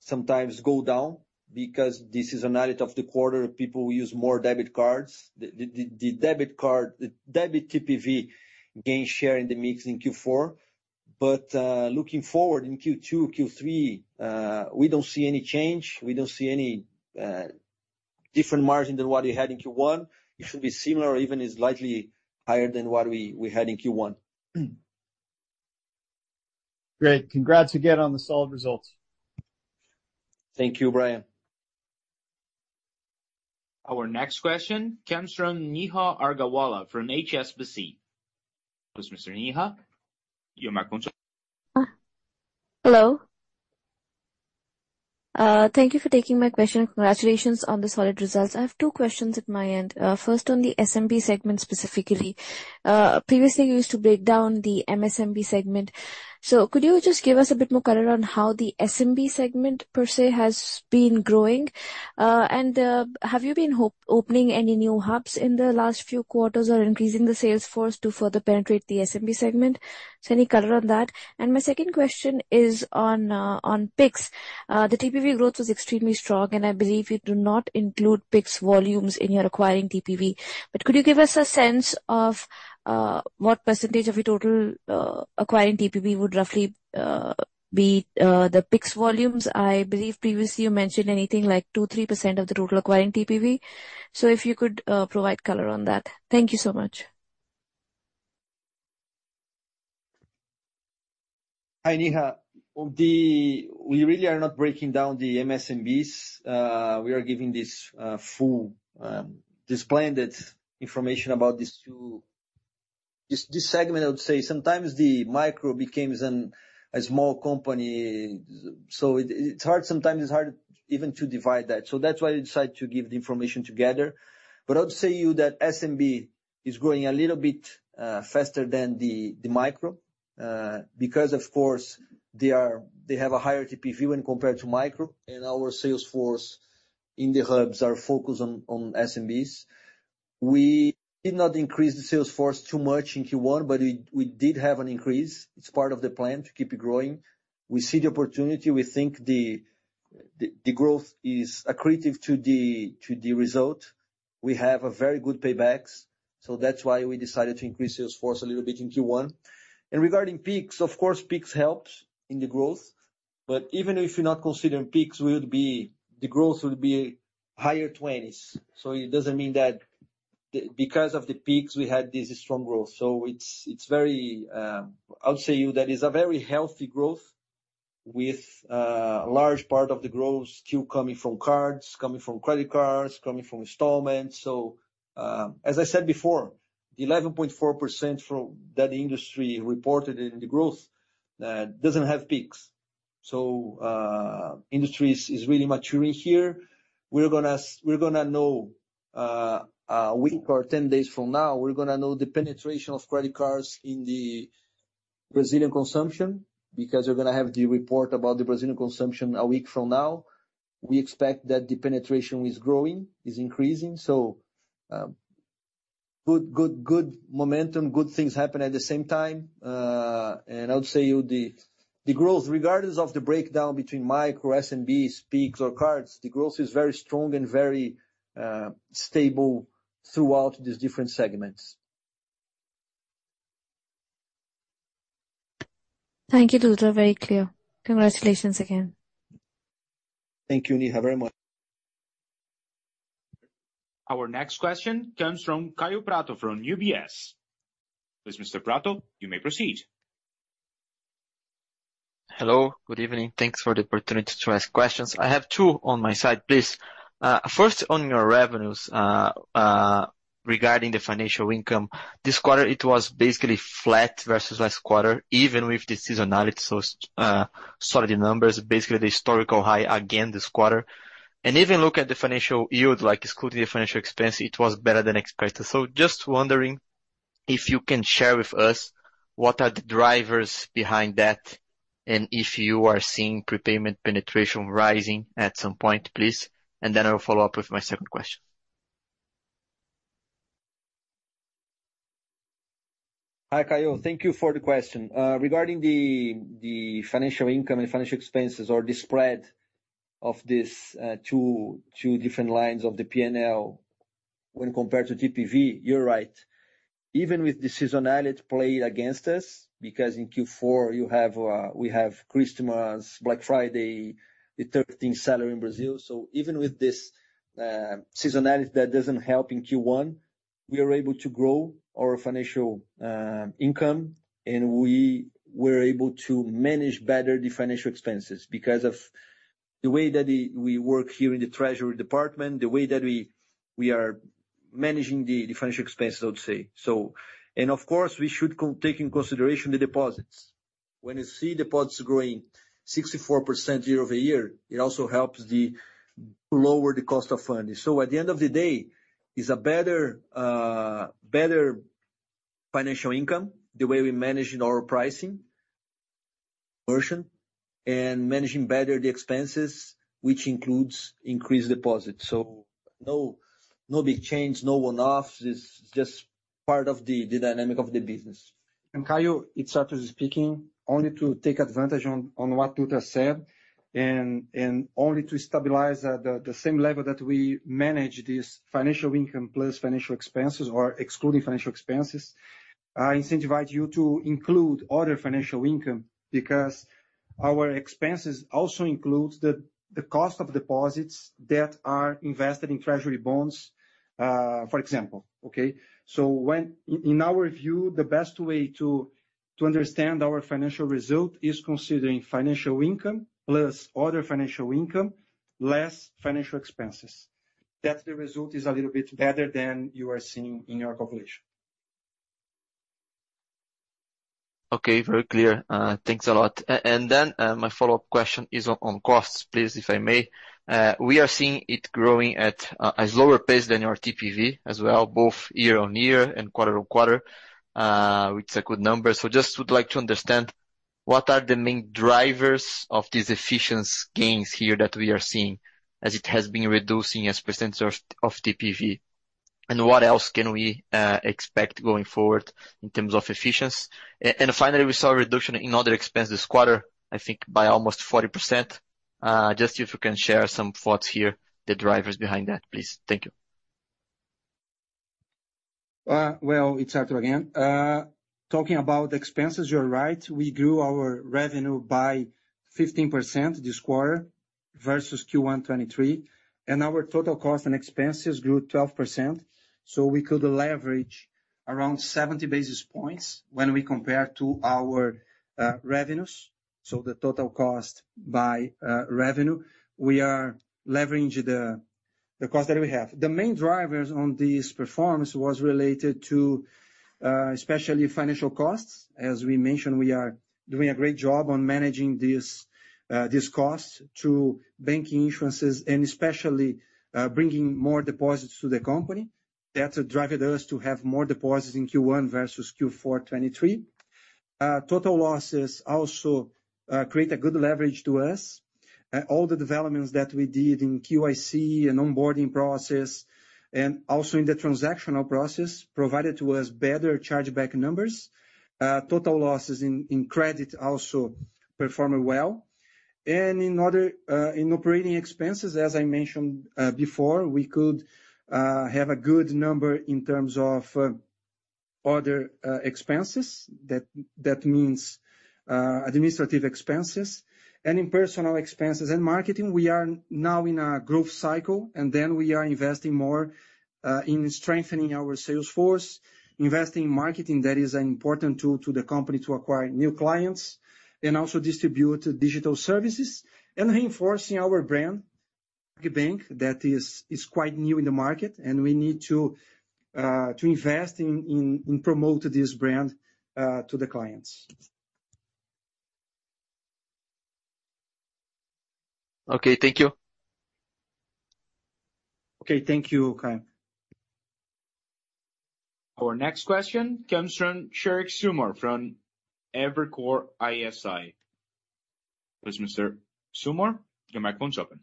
sometimes go down. Because this is seasonality of the quarter, people use more debit cards. The debit card, the debit TPV gains share in the mix in Q4. But, looking forward in Q2, Q3, we don't see any change. We don't see any different margin than what we had in Q1. It should be similar or even is slightly higher than what we had in Q1. Great. Congrats again on the solid results. Thank you, Brian. Our next question comes from Neha Agarwala from HSBC. Please, Mr. Neha, your microphone is on. Hello. Thank you for taking my question. Congratulations on the solid results. I have two questions at my end. First, on the SMB segment, specifically. Previously, you used to break down the MSMB segment. So could you just give us a bit more color on how the SMB segment per se has been growing? And have you been opening any new hubs in the last few quarters or increasing the sales force to further penetrate the SMB segment? So any color on that? And my second question is on Pix. The TPV growth was extremely strong, and I believe you do not include Pix volumes in your acquiring TPV. But could you give us a sense of what percentage of your total acquiring TPV would roughly be the Pix volumes? I believe previously you mentioned anything like 2%-3% of the total acquiring TPV. So if you could provide color on that. Thank you so much. Hi, Neha. On the... We really are not breaking down the MSMBs. We are giving this full this blended information about these two. This segment, I would say, sometimes the micro becomes a small company, so it's hard, sometimes it's hard even to divide that. So that's why I decided to give the information together. But I would say to you that SMB is growing a little bit faster than the micro, because of course, they have a higher TPV when compared to micro, and our sales force in the hubs are focused on SMBs. We did not increase the sales force too much in Q1, but we did have an increase. It's part of the plan to keep it growing. We see the opportunity. We think the growth is accretive to the result. We have a very good paybacks, so that's why we decided to increase sales force a little bit in Q1. Regarding Pix, of course, Pix helped in the growth, but even if you're not considering Pix, we would be—the growth will be higher twenties. So it doesn't mean that because of the Pix, we had this strong growth. So it's very. I'll tell you that it's a very healthy growth with large part of the growth still coming from cards, coming from credit cards, coming from installments. So, as I said before, the 11.4% from that industry reported in the growth doesn't have Pix. So, industry is really maturing here. We're gonna know a week or 10 days from now, we're gonna know the penetration of credit cards in the Brazilian consumption, because we're gonna have the report about the Brazilian consumption a week from now. We expect that the penetration is growing, is increasing. So, good, good, good momentum, good things happen at the same time. And I'll tell you, the, the growth, regardless of the breakdown between micro, SMB, Pix or cards, the growth is very strong and very stable throughout these different segments. Thank you, Dutra. Very clear. Congratulations again. Thank you, Neha, very much. Our next question comes from Kaio Prato, from UBS. Please, Mr. Prato, you may proceed. Hello, good evening. Thanks for the opportunity to ask questions. I have two on my side, please. First, on your revenues, regarding the financial income, this quarter, it was basically flat versus last quarter, even with the seasonality. So, solid numbers, basically the historical high again this quarter. And even look at the financial yield, like excluding the financial expense, it was better than expected. So just wondering if you can share with us, what are the drivers behind that, and if you are seeing prepayment penetration rising at some point, please? And then I'll follow up with my second question. Hi, Kaio. Thank you for the question. Regarding the financial income and financial expenses or the spread of this two different lines of the PNL when compared to TPV, you're right. Even with the seasonality play against us, because in Q4, you have we have Christmas, Black Friday, the thirteenth salary in Brazil. So even with this seasonality that doesn't help in Q1, we are able to grow our financial income, and we were able to manage better the financial expenses because of the way that we work here in the treasury department, the way that we are managing the financial expenses, I would say. So, and of course, we should take into consideration the deposits. When you see deposits growing 64% year-over-year, it also helps to lower the cost of funding. So at the end of the day, is a better, better financial income, the way we're managing our pricing version, and managing better the expenses, which includes increased deposits. So no, no big change, no one-offs. It's just part of the dynamic of the business. And Caio, it's Artur speaking, only to take advantage on what Dutra said, and only to stabilize the same level that we manage this financial income plus financial expenses or excluding financial expenses. I incentivize you to include other financial income, because our expenses also includes the cost of deposits that are invested in treasury bonds, for example, okay? So, in our view, the best way to understand our financial result is considering financial income plus other financial income, less financial expenses. That's the result is a little bit better than you are seeing in your calculation. Okay, very clear. Thanks a lot. And then, my follow-up question is on costs, please, if I may. We are seeing it growing at a slower pace than your TPV as well, both year-on-year and quarter-on-quarter. It's a good number. So just would like to understand, what are the main drivers of these efficiency gains here that we are seeing, as it has been reducing as a percentage of TPV? And what else can we expect going forward in terms of efficiency? And finally, we saw a reduction in other expenses this quarter, I think by almost 40%. Just if you can share some thoughts here, the drivers behind that, please. Thank you. Well, it's Artur again. Talking about expenses, you're right. We grew our revenue by 15% this quarter versus Q1 2023, and our total cost and expenses grew 12%. So we could leverage around 70 basis points when we compare to our revenues, so the total cost by revenue. We are leveraging the- The cost that we have. The main drivers on this performance was related to, especially financial costs. As we mentioned, we are doing a great job on managing these, these costs through banking insurances, and especially, bringing more deposits to the company. That's driven us to have more deposits in Q1 versus Q4 2023. Total losses also create a good leverage to us. All the developments that we did in KYC and onboarding process, and also in the transactional process, provided to us better chargeback numbers. Total losses in credit also performed well. In other operating expenses, as I mentioned, before, we could have a good number in terms of, other, expenses. That means administrative expenses. In personnel expenses and marketing, we are now in a growth cycle, and we are investing more in strengthening our sales force, investing in marketing, that is an important tool to the company to acquire new clients, and also distribute digital services. Reinforcing our brand PagBank, that is quite new in the market, and we need to invest in promote this brand to the clients. Okay, thank you. Okay, thank you, Kaio. Our next question comes from Sheriq Sumar, from Evercore ISI. Please, Mr. Sumar, your microphone's open.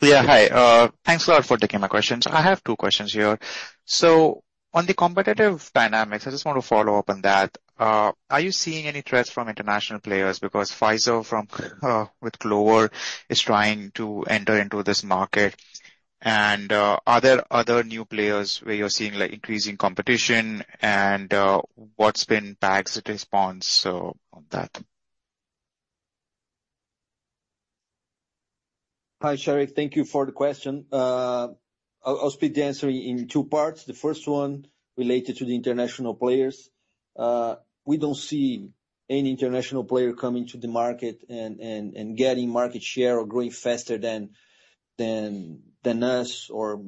Yeah, hi. Thanks a lot for taking my questions. I have two questions here. So on the competitive dynamics, I just want to follow up on that. Are you seeing any threats from international players? Because Fiserv from, uh, with Clover, is trying to enter into this market. And, are there other new players where you're seeing, like, increasing competition? And, what's been PagBank's response, so on that? Hi, Sheriq. Thank you for the question. I'll split the answer in two parts. The first one, related to the international players. We don't see any international player coming to the market and getting market share or growing faster than us, or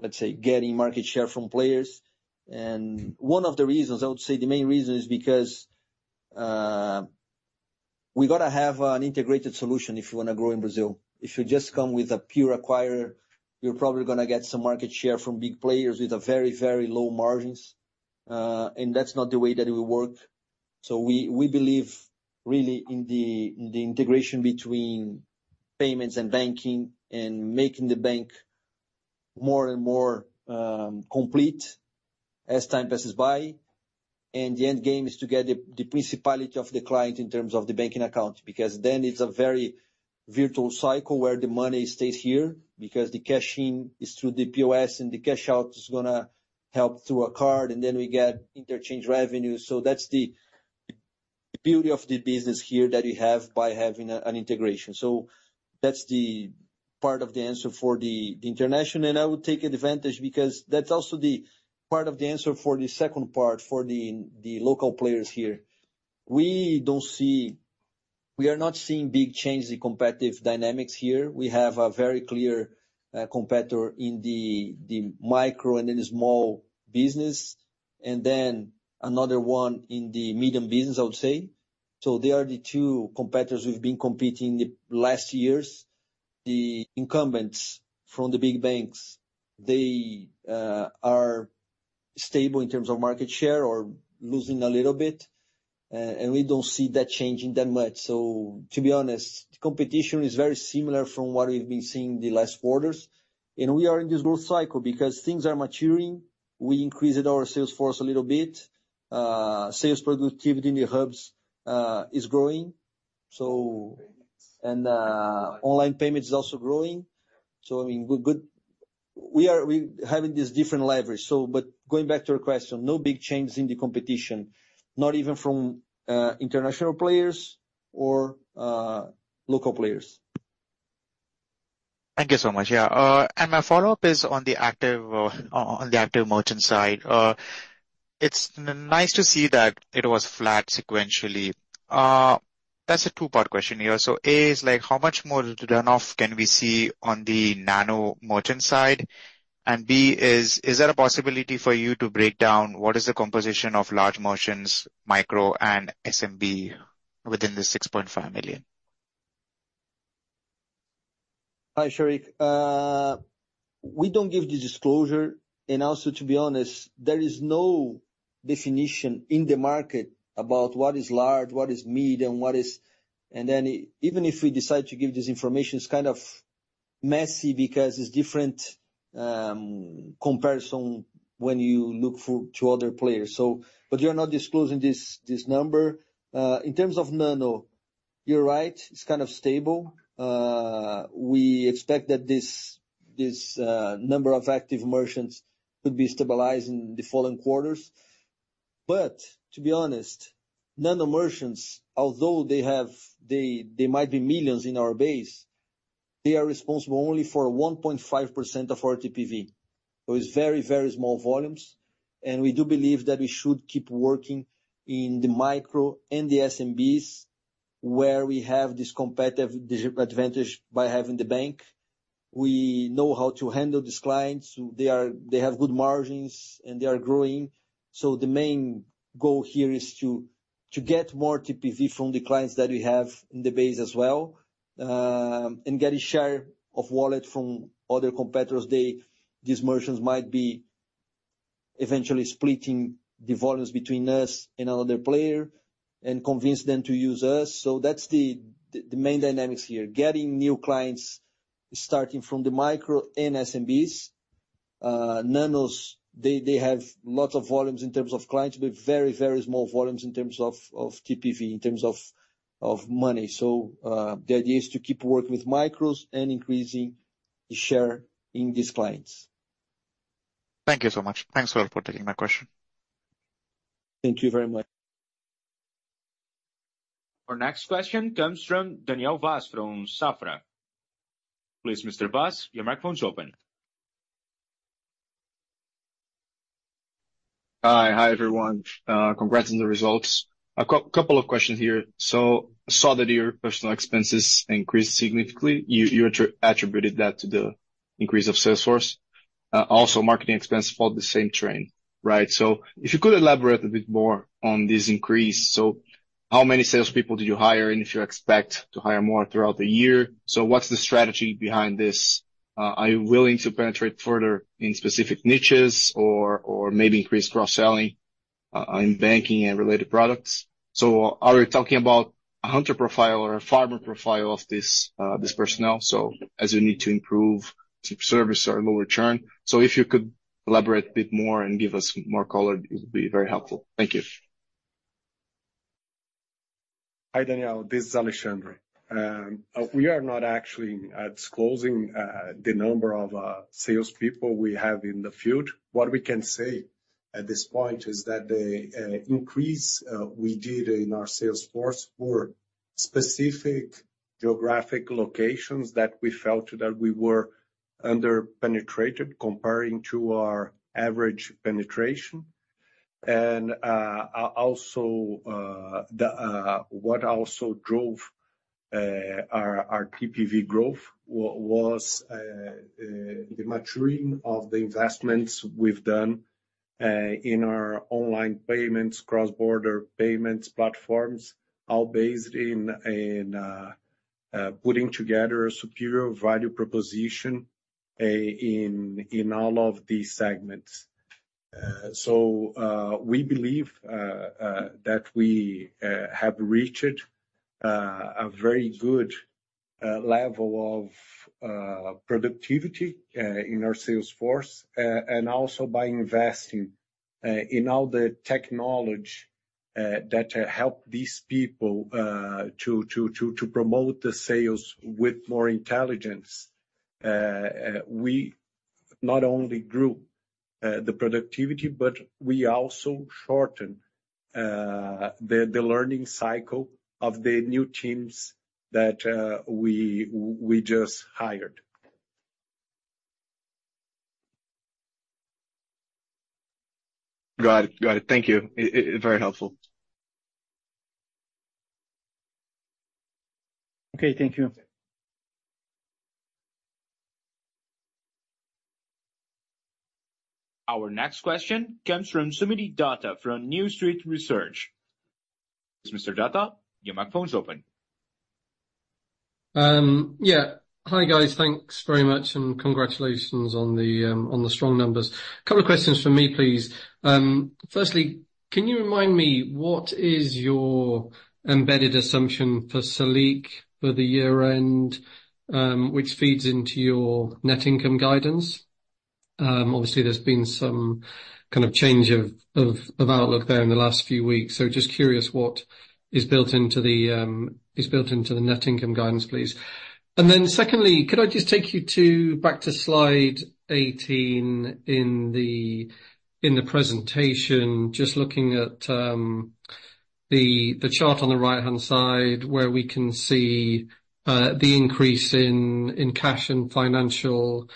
let's say, getting market share from players. And one of the reasons, I would say the main reason, is because we've got to have an integrated solution if you wanna grow in Brazil. If you just come with a pure acquirer, you're probably gonna get some market share from big players with a very, very low margins, and that's not the way that it will work. So we believe really in the integration between payments and banking, and making the bank more and more complete as time passes by. The end game is to get the principality of the client in terms of the banking account, because then it's a very virtual cycle where the money stays here, because the cash-in is through the POS and the cash-out is gonna help through a card, and then we get interchange revenue. So that's the beauty of the business here that we have by having an integration. So that's the part of the answer for the international. And I would take advantage, because that's also the part of the answer for the second part, for the local players here. We don't see... We are not seeing big changes in competitive dynamics here. We have a very clear competitor in the micro and in the small business, and then another one in the medium business, I would say. So they are the two competitors who've been competing the last years. The incumbents from the big banks, they, are stable in terms of market share or losing a little bit, and we don't see that changing that much. So to be honest, the competition is very similar from what we've been seeing in the last quarters. And we are in this growth cycle because things are maturing. We increased our sales force a little bit. Sales productivity in the hubs is growing. So- Payments. Online payments is also growing. So, I mean, good, good... We are having this different leverage. So but going back to your question, no big changes in the competition, not even from international players or local players. Thank you so much. Yeah, and my follow-up is on the active merchant side. It's nice to see that it was flat sequentially. That's a two-part question here. So A, is like, how much more runoff can we see on the nano merchant side? And B, is there a possibility for you to break down what is the composition of large merchants, micro and SMB within the 6.5 million? Hi, Sheriq. We don't give the disclosure, and also, to be honest, there is no definition in the market about what is large, what is medium, what is... And then even if we decide to give this information, it's kind of messy because it's different comparison when you look to other players. But we are not disclosing this number. In terms of nano, you're right, it's kind of stable. We expect that this number of active merchants could be stabilized in the following quarters. But to be honest, nano merchants, although they have-- they might be millions in our base, they are responsible only for 1.5% of our TPV. So it's very, very small volumes, and we do believe that we should keep working in the micro and the SMBs-... where we have this competitive digital advantage by having the bank. We know how to handle these clients. They have good margins, and they are growing. So the main goal here is to get more TPV from the clients that we have in the base as well, and get a share of wallet from other competitors. These merchants might be eventually splitting the volumes between us and another player and convince them to use us. So that's the main dynamics here: getting new clients, starting from the micro and SMBs. Nanos, they have lots of volumes in terms of clients, but very, very small volumes in terms of TPV, in terms of money. So the idea is to keep working with micros and increasing the share in these clients. Thank you so much. Thanks a lot for taking my question. Thank you very much. Our next question comes from Daniel Vaz from Safra. Please, Mr. Vaz, your microphone is open. Hi. Hi, everyone. Congrats on the results. A couple of questions here. So I saw that your personal expenses increased significantly. You attributed that to the increase of sales force. Also, marketing expense followed the same trend, right? So if you could elaborate a bit more on this increase. So how many salespeople did you hire, and if you expect to hire more throughout the year? So what's the strategy behind this? Are you willing to penetrate further in specific niches or maybe increase cross-selling on banking and related products? So are we talking about a hunter profile or a farmer profile of this personnel, so as you need to improve service or lower churn? So if you could elaborate a bit more and give us more color, it would be very helpful. Thank you. Hi, Daniel, this is Alexandre. We are not actually disclosing the number of salespeople we have in the field. What we can say at this point is that the increase we did in our sales force were specific geographic locations that we felt that we were under-penetrated, comparing to our average penetration. And also, what also drove our TPV growth was the maturing of the investments we've done in our online payments, cross-border payments platforms, all based in putting together a superior value proposition in all of these segments. So, we believe that we have reached a very good level of productivity in our sales force, and also by investing in all the technology that help these people to promote the sales with more intelligence. We not only grew the productivity, but we also shortened the learning cycle of the new teams that we just hired. Got it. Got it. Thank you. It's very helpful. Okay, thank you. Our next question comes from Soomit Datta from New Street Research. Mr. Datta, your microphone is open. Yeah. Hi, guys. Thanks very much, and congratulations on the strong numbers. A couple of questions from me, please. Firstly, can you remind me what is your embedded assumption for Selic for the year end, which feeds into your net income guidance? Obviously, there's been some kind of change of outlook there in the last few weeks, so just curious what is built into the net income guidance, please. And then secondly, could I just take you back to slide 18 in the presentation, just looking at the chart on the right-hand side, where we can see the increase in cash and financial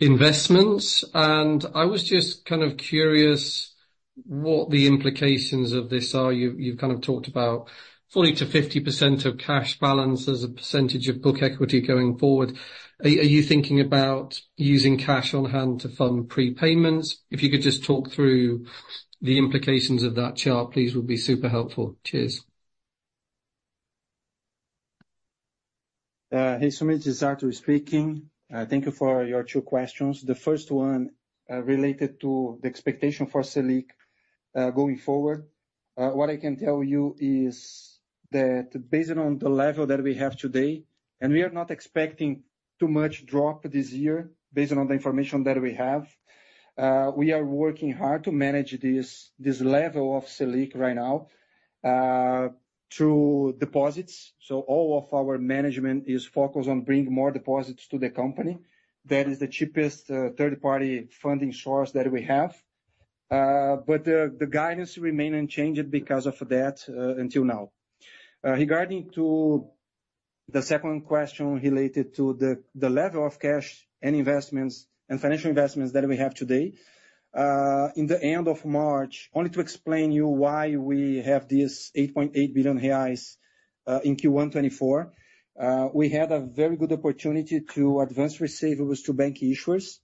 investments. And I was just kind of curious what the implications of this are. You've kind of talked about 40%-50% of cash balance as a percentage of book equity going forward. Are you thinking about using cash on hand to fund prepayments? If you could just talk through the implications of that chart, please, would be super helpful. Cheers. Hey, Soomit, it's Artur speaking. Thank you for your two questions. The first one, related to the expectation for Selic, going forward. What I can tell you is that based on the level that we have today, and we are not expecting too much drop this year, based on the information that we have, we are working hard to manage this, this level of Selic right now, through deposits. So all of our management is focused on bringing more deposits to the company. That is the cheapest, third-party funding source that we have. But the, the guidance remain unchanged because of that, until now. Regarding to-... The second question related to the level of cash and investments, and financial investments that we have today. In the end of March, only to explain you why we have this 8.8 billion reais, in Q1 2024, we had a very good opportunity to advance receivables to bank issuers.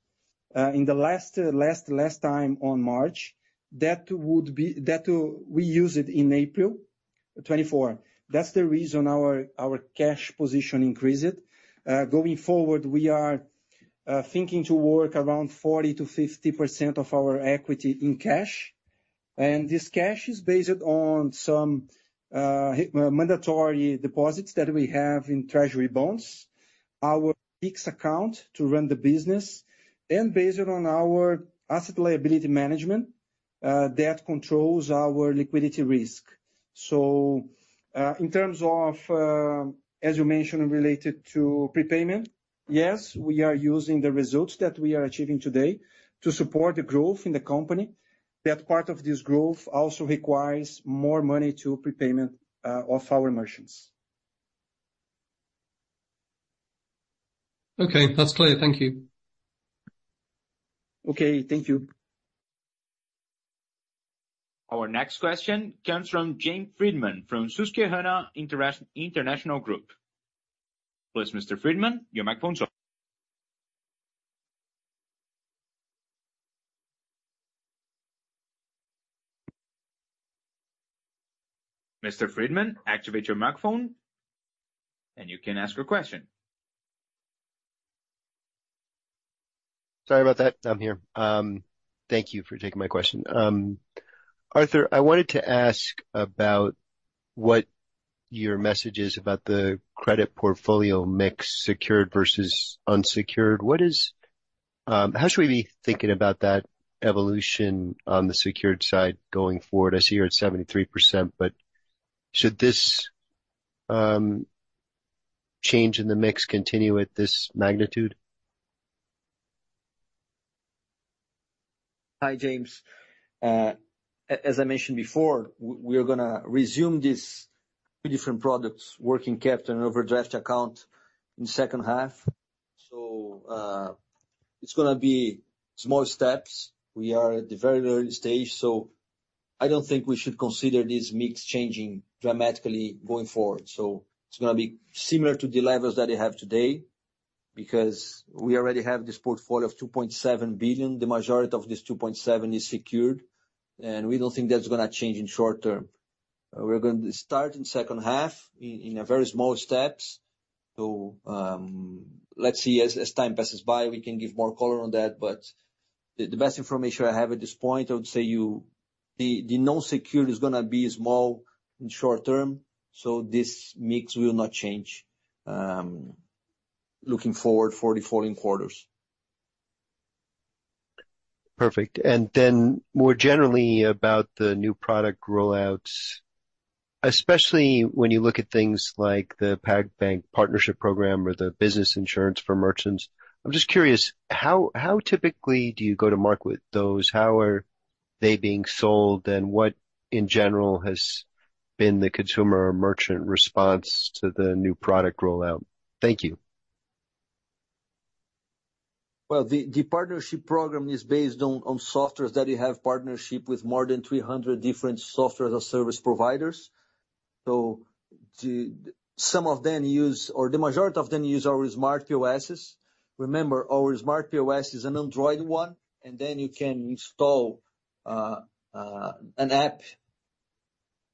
In the last time on March, we use it in April 2024. That's the reason our cash position increased. Going forward, we are thinking to work around 40%-50% of our equity in cash. And this cash is based on some mandatory deposits that we have in treasury bonds, our fixed account to run the business, and based on our asset liability management, that controls our liquidity risk. So, in terms of, as you mentioned, related to prepayment, yes, we are using the results that we are achieving today to support the growth in the company. That part of this growth also requires more money to prepayment of our merchants. Okay, that's clear. Thank you. Okay, thank you. Our next question comes from James Friedman from Susquehanna International Group. Please, Mr. Friedman, your microphone. Mr. Friedman, activate your microphone, and you can ask your question. Sorry about that. I'm here. Thank you for taking my question. Artur, I wanted to ask about what your message is about the credit portfolio mix, secured versus unsecured. How should we be thinking about that evolution on the secured side going forward? I see you're at 73%, but should this change in the mix continue at this magnitude? Hi, James. As I mentioned before, we are gonna resume these two different products, working capital and overdraft account, in the H2. So, it's gonna be small steps. We are at the very early stage, so I don't think we should consider this mix changing dramatically going forward. So it's gonna be similar to the levels that we have today, because we already have this portfolio of 2.7 billion. The majority of this 2.7 billion is secured, and we don't think that's gonna change in short term. We're going to start in H2, in very small steps. Let's see, as time passes by, we can give more color on that, but the best information I have at this point, I would say to you, the non-secured is gonna be small in short term, so this mix will not change, looking forward for the following quarters. Perfect. And then more generally about the new product rollouts, especially when you look at things like the PagBank Partnership Program or the business insurance for merchants, I'm just curious, how typically do you go to market with those? How are they being sold, and what, in general, has been the consumer or merchant response to the new product rollout? Thank you. Well, the partnership program is based on softwares that we have partnership with more than 300 different software or service providers. So some of them use, or the majority of them use our smart POSs. Remember, our smart POS is an Android one, and then you can install an app.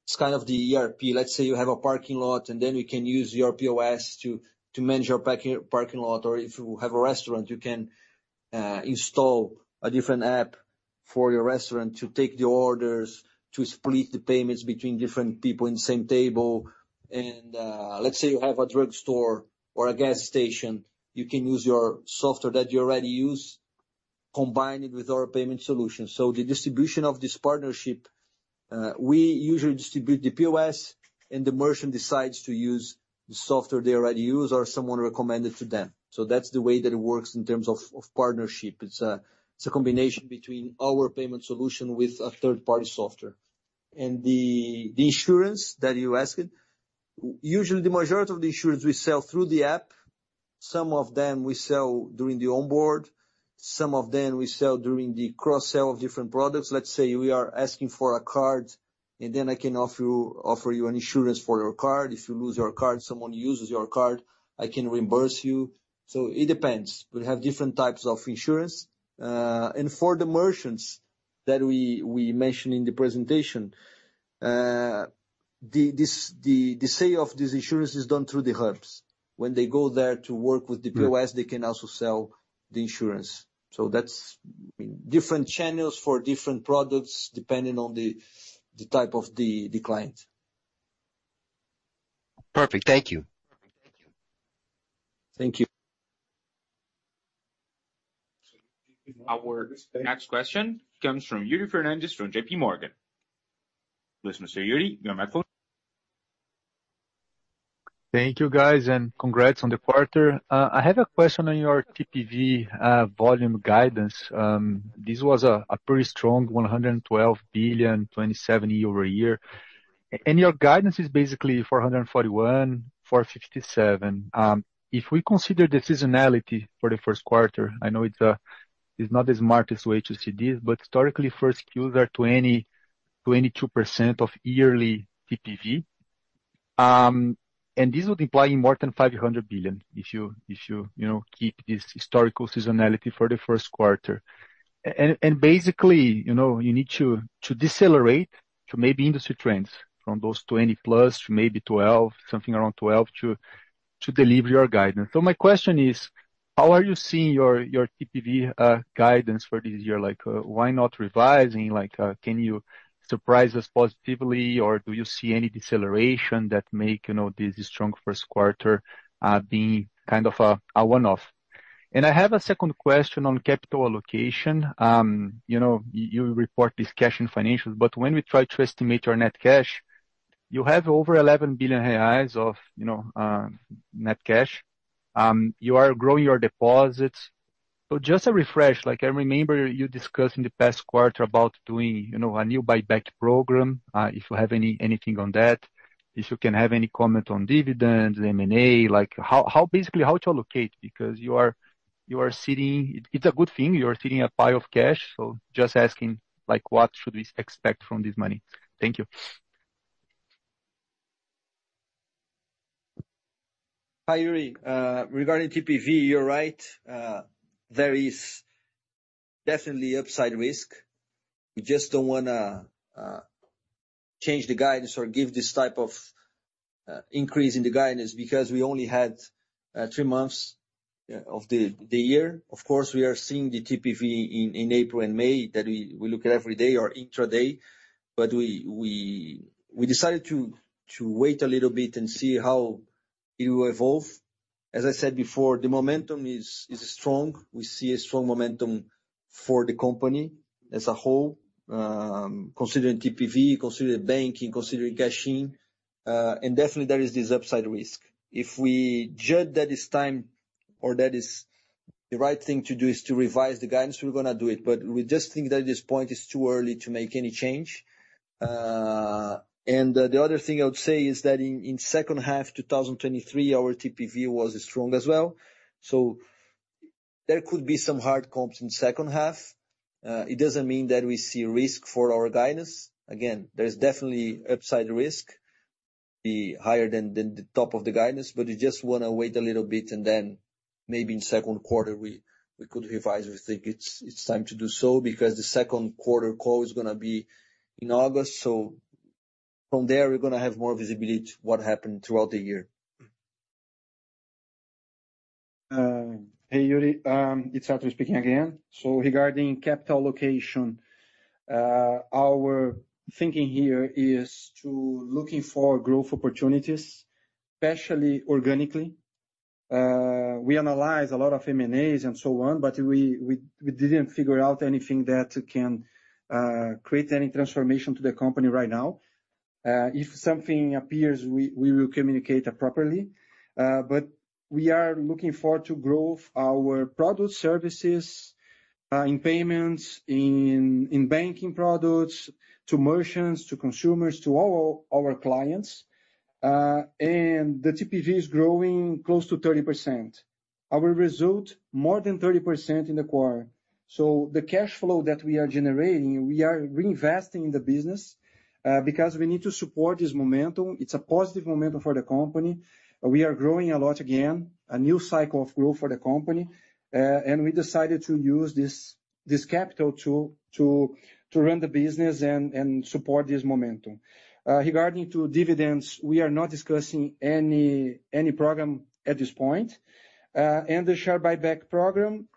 It's kind of the ERP. Let's say you have a parking lot, and then you can use your POS to manage your parking lot, or if you have a restaurant, you can install a different app for your restaurant to take the orders, to split the payments between different people in the same table. And let's say you have a drugstore or a gas station, you can use your software that you already use, combine it with our payment solution. So the distribution of this partnership, we usually distribute the POS, and the merchant decides to use the software they already use or someone recommended to them. So that's the way that it works in terms of partnership. It's a combination between our payment solution with a third-party software. And the insurance that you asked, usually the majority of the insurance we sell through the app, some of them we sell during the onboard, some of them we sell during the cross-sell of different products. Let's say we are asking for a card, and then I can offer you an insurance for your card. If you lose your card, someone uses your card, I can reimburse you. So it depends. We have different types of insurance. For the merchants that we mentioned in the presentation, the sale of this insurance is done through the hubs. When they go there to work with the POS, they can also sell the insurance. That's different channels for different products, depending on the type of the client. Perfect. Thank you. Thank you. Our next question comes from Yuri Fernandes from JPMorgan. Please, Mr. Yuri, your microphone. Thank you, guys, and congrats on the quarter. I have a question on your TPV volume guidance. This was a pretty strong 112 billion, 27 year-over-year. And your guidance is basically 441 billion-457 billion. If we consider the seasonality for the 1Q, I know it's, it's not the smartest way to see this, but historically, first Q is 20%-22% of yearly TPV. And this would imply more than 500 billion, if you, you know, keep this historical seasonality for the 1Q. And basically, you know, you need to decelerate to maybe industry trends from those 20+ to maybe 12, something around 12, to deliver your guidance. So my question is: how are you seeing your TPV guidance for this year? Like, why not revising? Like, can you surprise us positively, or do you see any deceleration that make, you know, this strong 1Q being kind of a one-off? I have a second question on capital allocation. You know, you report this cash in financials, but when we try to estimate your net cash, you have over 11 billion reais of, you know, net cash. You are growing your deposits. So just a refresh, like I remember you discussed in the past quarter about doing, you know, a new buyback program, if you have anything on that, if you can have any comment on dividends, M&A, like how... Basically, how to allocate, because you are sitting. It's a good thing, you are sitting a pile of cash, so just asking, like, what should we expect from this money? Thank you. Hi, Yuri. Regarding TPV, you're right. There is definitely upside risk. We just don't wanna change the guidance or give this type of increase in the guidance, because we only had three months of the year. Of course, we are seeing the TPV in April and May, that we look at every day or intraday, but we decided to wait a little bit and see how it will evolve. As I said before, the momentum is strong. We see a strong momentum for the company as a whole, considering TPV, considering banking, considering caching, and definitely there is this upside risk. If we judge that it's time or that is the right thing to do is to revise the guidance, we're gonna do it, but we just think that at this point, it's too early to make any change. And the other thing I would say is that in H2, 2023, our TPV was strong as well. So there could be some hard comps in H2. It doesn't mean that we see risk for our guidance. Again, there's definitely upside risk, be higher than the top of the guidance, but we just wanna wait a little bit, and then maybe in 2Q, we could revise if we think it's time to do so, because the 2Q call is gonna be in August. So from there, we're gonna have more visibility to what happened throughout the year. Hey, Yuri, it's Artur speaking again. So regarding capital allocation, our thinking here is to looking for growth opportunities, especially organically. We analyze a lot of M&As and so on, but we didn't figure out anything that can create any transformation to the company right now. If something appears, we will communicate appropriately. But we are looking forward to grow our product services, in payments, in banking products, to merchants, to consumers, to all our clients. The TPV is growing close to 30%. Our result more than 30% in the quarter. So the cash flow that we are generating, we are reinvesting in the business, because we need to support this momentum. It's a positive momentum for the company. We are growing a lot again, a new cycle of growth for the company, and we decided to use this capital to run the business and support this momentum. Regarding to dividends, we are not discussing any program at this point. And the share buyback program,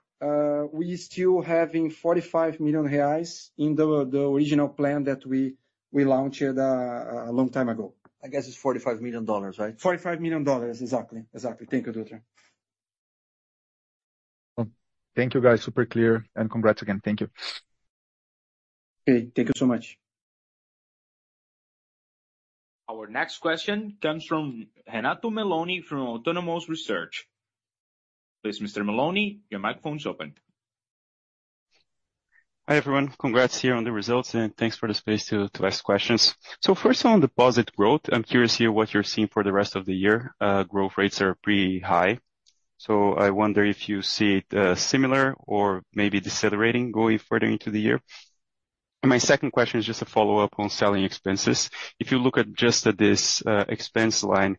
we still having 45 million reais in the original plan that we launched a long time ago. I guess it's $45 million, right? $45 million. Exactly. Exactly. Thank you, Dutra. Thank you, guys. Super clear. Congrats again. Thank you. Okay. Thank you so much. Our next question comes from Renato Meloni, from Autonomous Research. Please, Mr. Meloni, your microphone is open. Hi, everyone. Congrats here on the results, and thanks for the space to ask questions. So first, on deposit growth, I'm curious here what you're seeing for the rest of the year. Growth rates are pretty high, so I wonder if you see it similar or maybe decelerating going further into the year. And my second question is just a follow-up on selling expenses. If you look at just at this expense line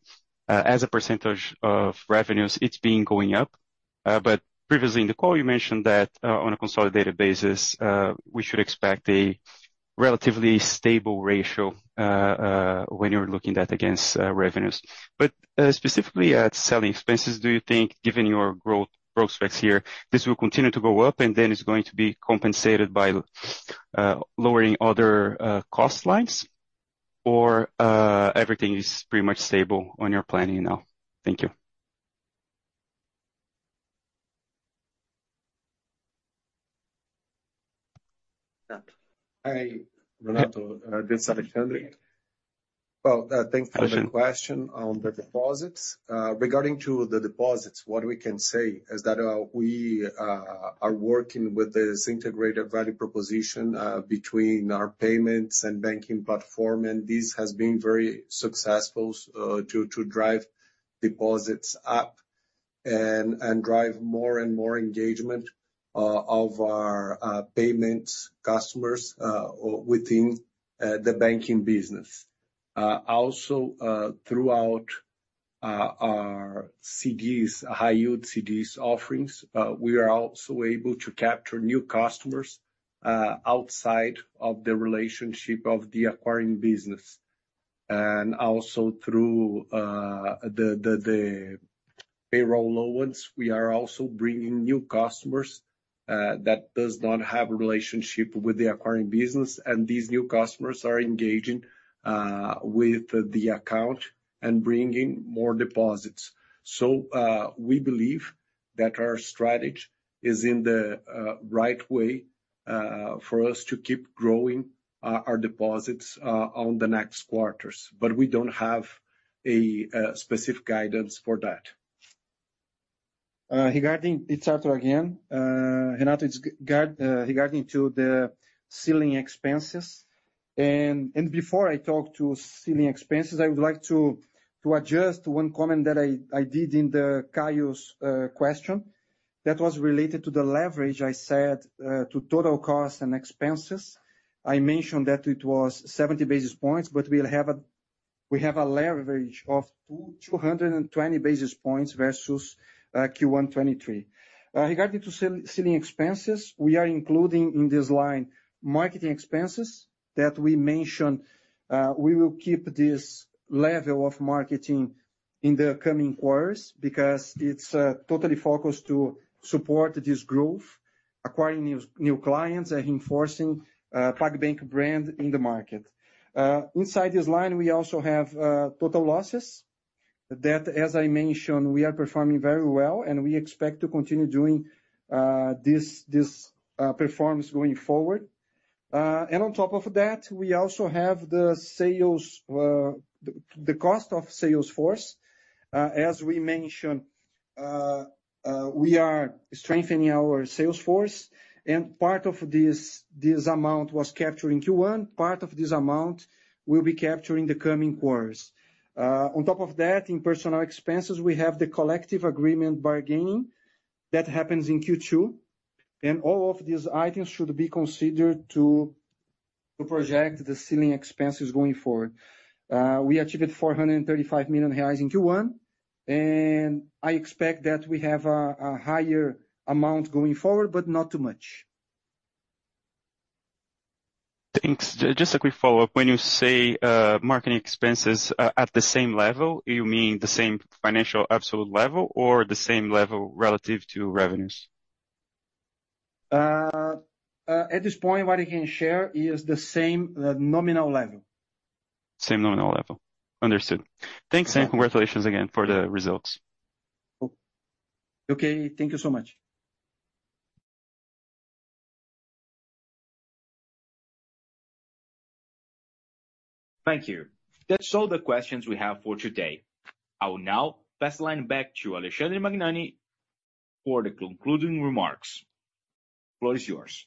as a percentage of revenues, it's been going up. But previously in the call, you mentioned that on a consolidated basis we should expect a relatively stable ratio when you're looking at against revenues. But, specifically at selling expenses, do you think, given your growth specs here, this will continue to go up and then it's going to be compensated by lowering other cost lines? Or, everything is pretty much stable on your planning now? Thank you. Hi, Renato. This is Alexandre. Well, thanks for the question on the deposits. Regarding to the deposits, what we can say is that we are working with this integrated value proposition between our payments and banking platform, and this has been very successful to drive deposits up.... and drive more and more engagement of our payments customers within the banking business. Also, throughout our CDs, high yield CDs offerings, we are also able to capture new customers outside of the relationship of the acquiring business, and also through the payroll loans, we are also bringing new customers that does not have a relationship with the acquiring business, and these new customers are engaging with the account and bringing more deposits. So, we believe that our strategy is in the right way for us to keep growing our deposits on the next quarters. But we don't have a specific guidance for that. It's Artur again. Renato, it's regarding to the selling expenses. And before I talk to selling expenses, I would like to adjust one comment that I did in the Kaio's question. That was related to the leverage I said to total costs and expenses. I mentioned that it was 70 basis points, but we'll have a- we have a leverage of 220 basis points versus Q1 2023. Regarding to selling expenses, we are including in this line, marketing expenses, that we mentioned, we will keep this level of marketing in the coming quarters, because it's totally focused to support this growth, acquiring new clients, and reinforcing PagBank brand in the market. Inside this line, we also have total losses, that, as I mentioned, we are performing very well, and we expect to continue doing this performance going forward. And on top of that, we also have the sales... The cost of sales force. As we mentioned, we are strengthening our sales force, and part of this amount was captured in Q1, part of this amount will be captured in the coming quarters. On top of that, in personal expenses, we have the collective agreement bargaining. That happens in Q2, and all of these items should be considered to project the selling expenses going forward. We achieved 435 million reais in Q1, and I expect that we have a higher amount going forward, but not too much. Thanks. Just a quick follow-up. When you say, marketing expenses, at the same level, you mean the same financial absolute level, or the same level relative to revenues? At this point, what I can share is the same, the nominal level. Same nominal level. Understood. Yeah. Thanks, and congratulations again for the results. Okay, thank you so much. Thank you. That's all the questions we have for today. I will now pass the line back to Alexandre Magnani for the concluding remarks. Floor is yours.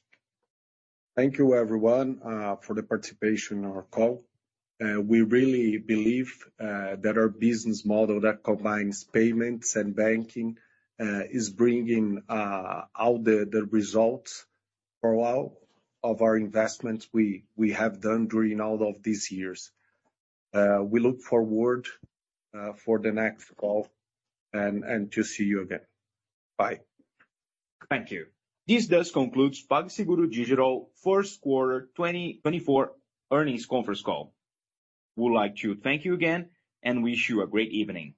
Thank you, everyone, for the participation in our call. We really believe that our business model that combines payments and banking is bringing out the results for a while of our investments we have done during all of these years. We look forward for the next call and to see you again. Bye. Thank you. This does conclude PagSeguro Digital 1Q 2024 earnings conference call. We would like to thank you again and wish you a great evening.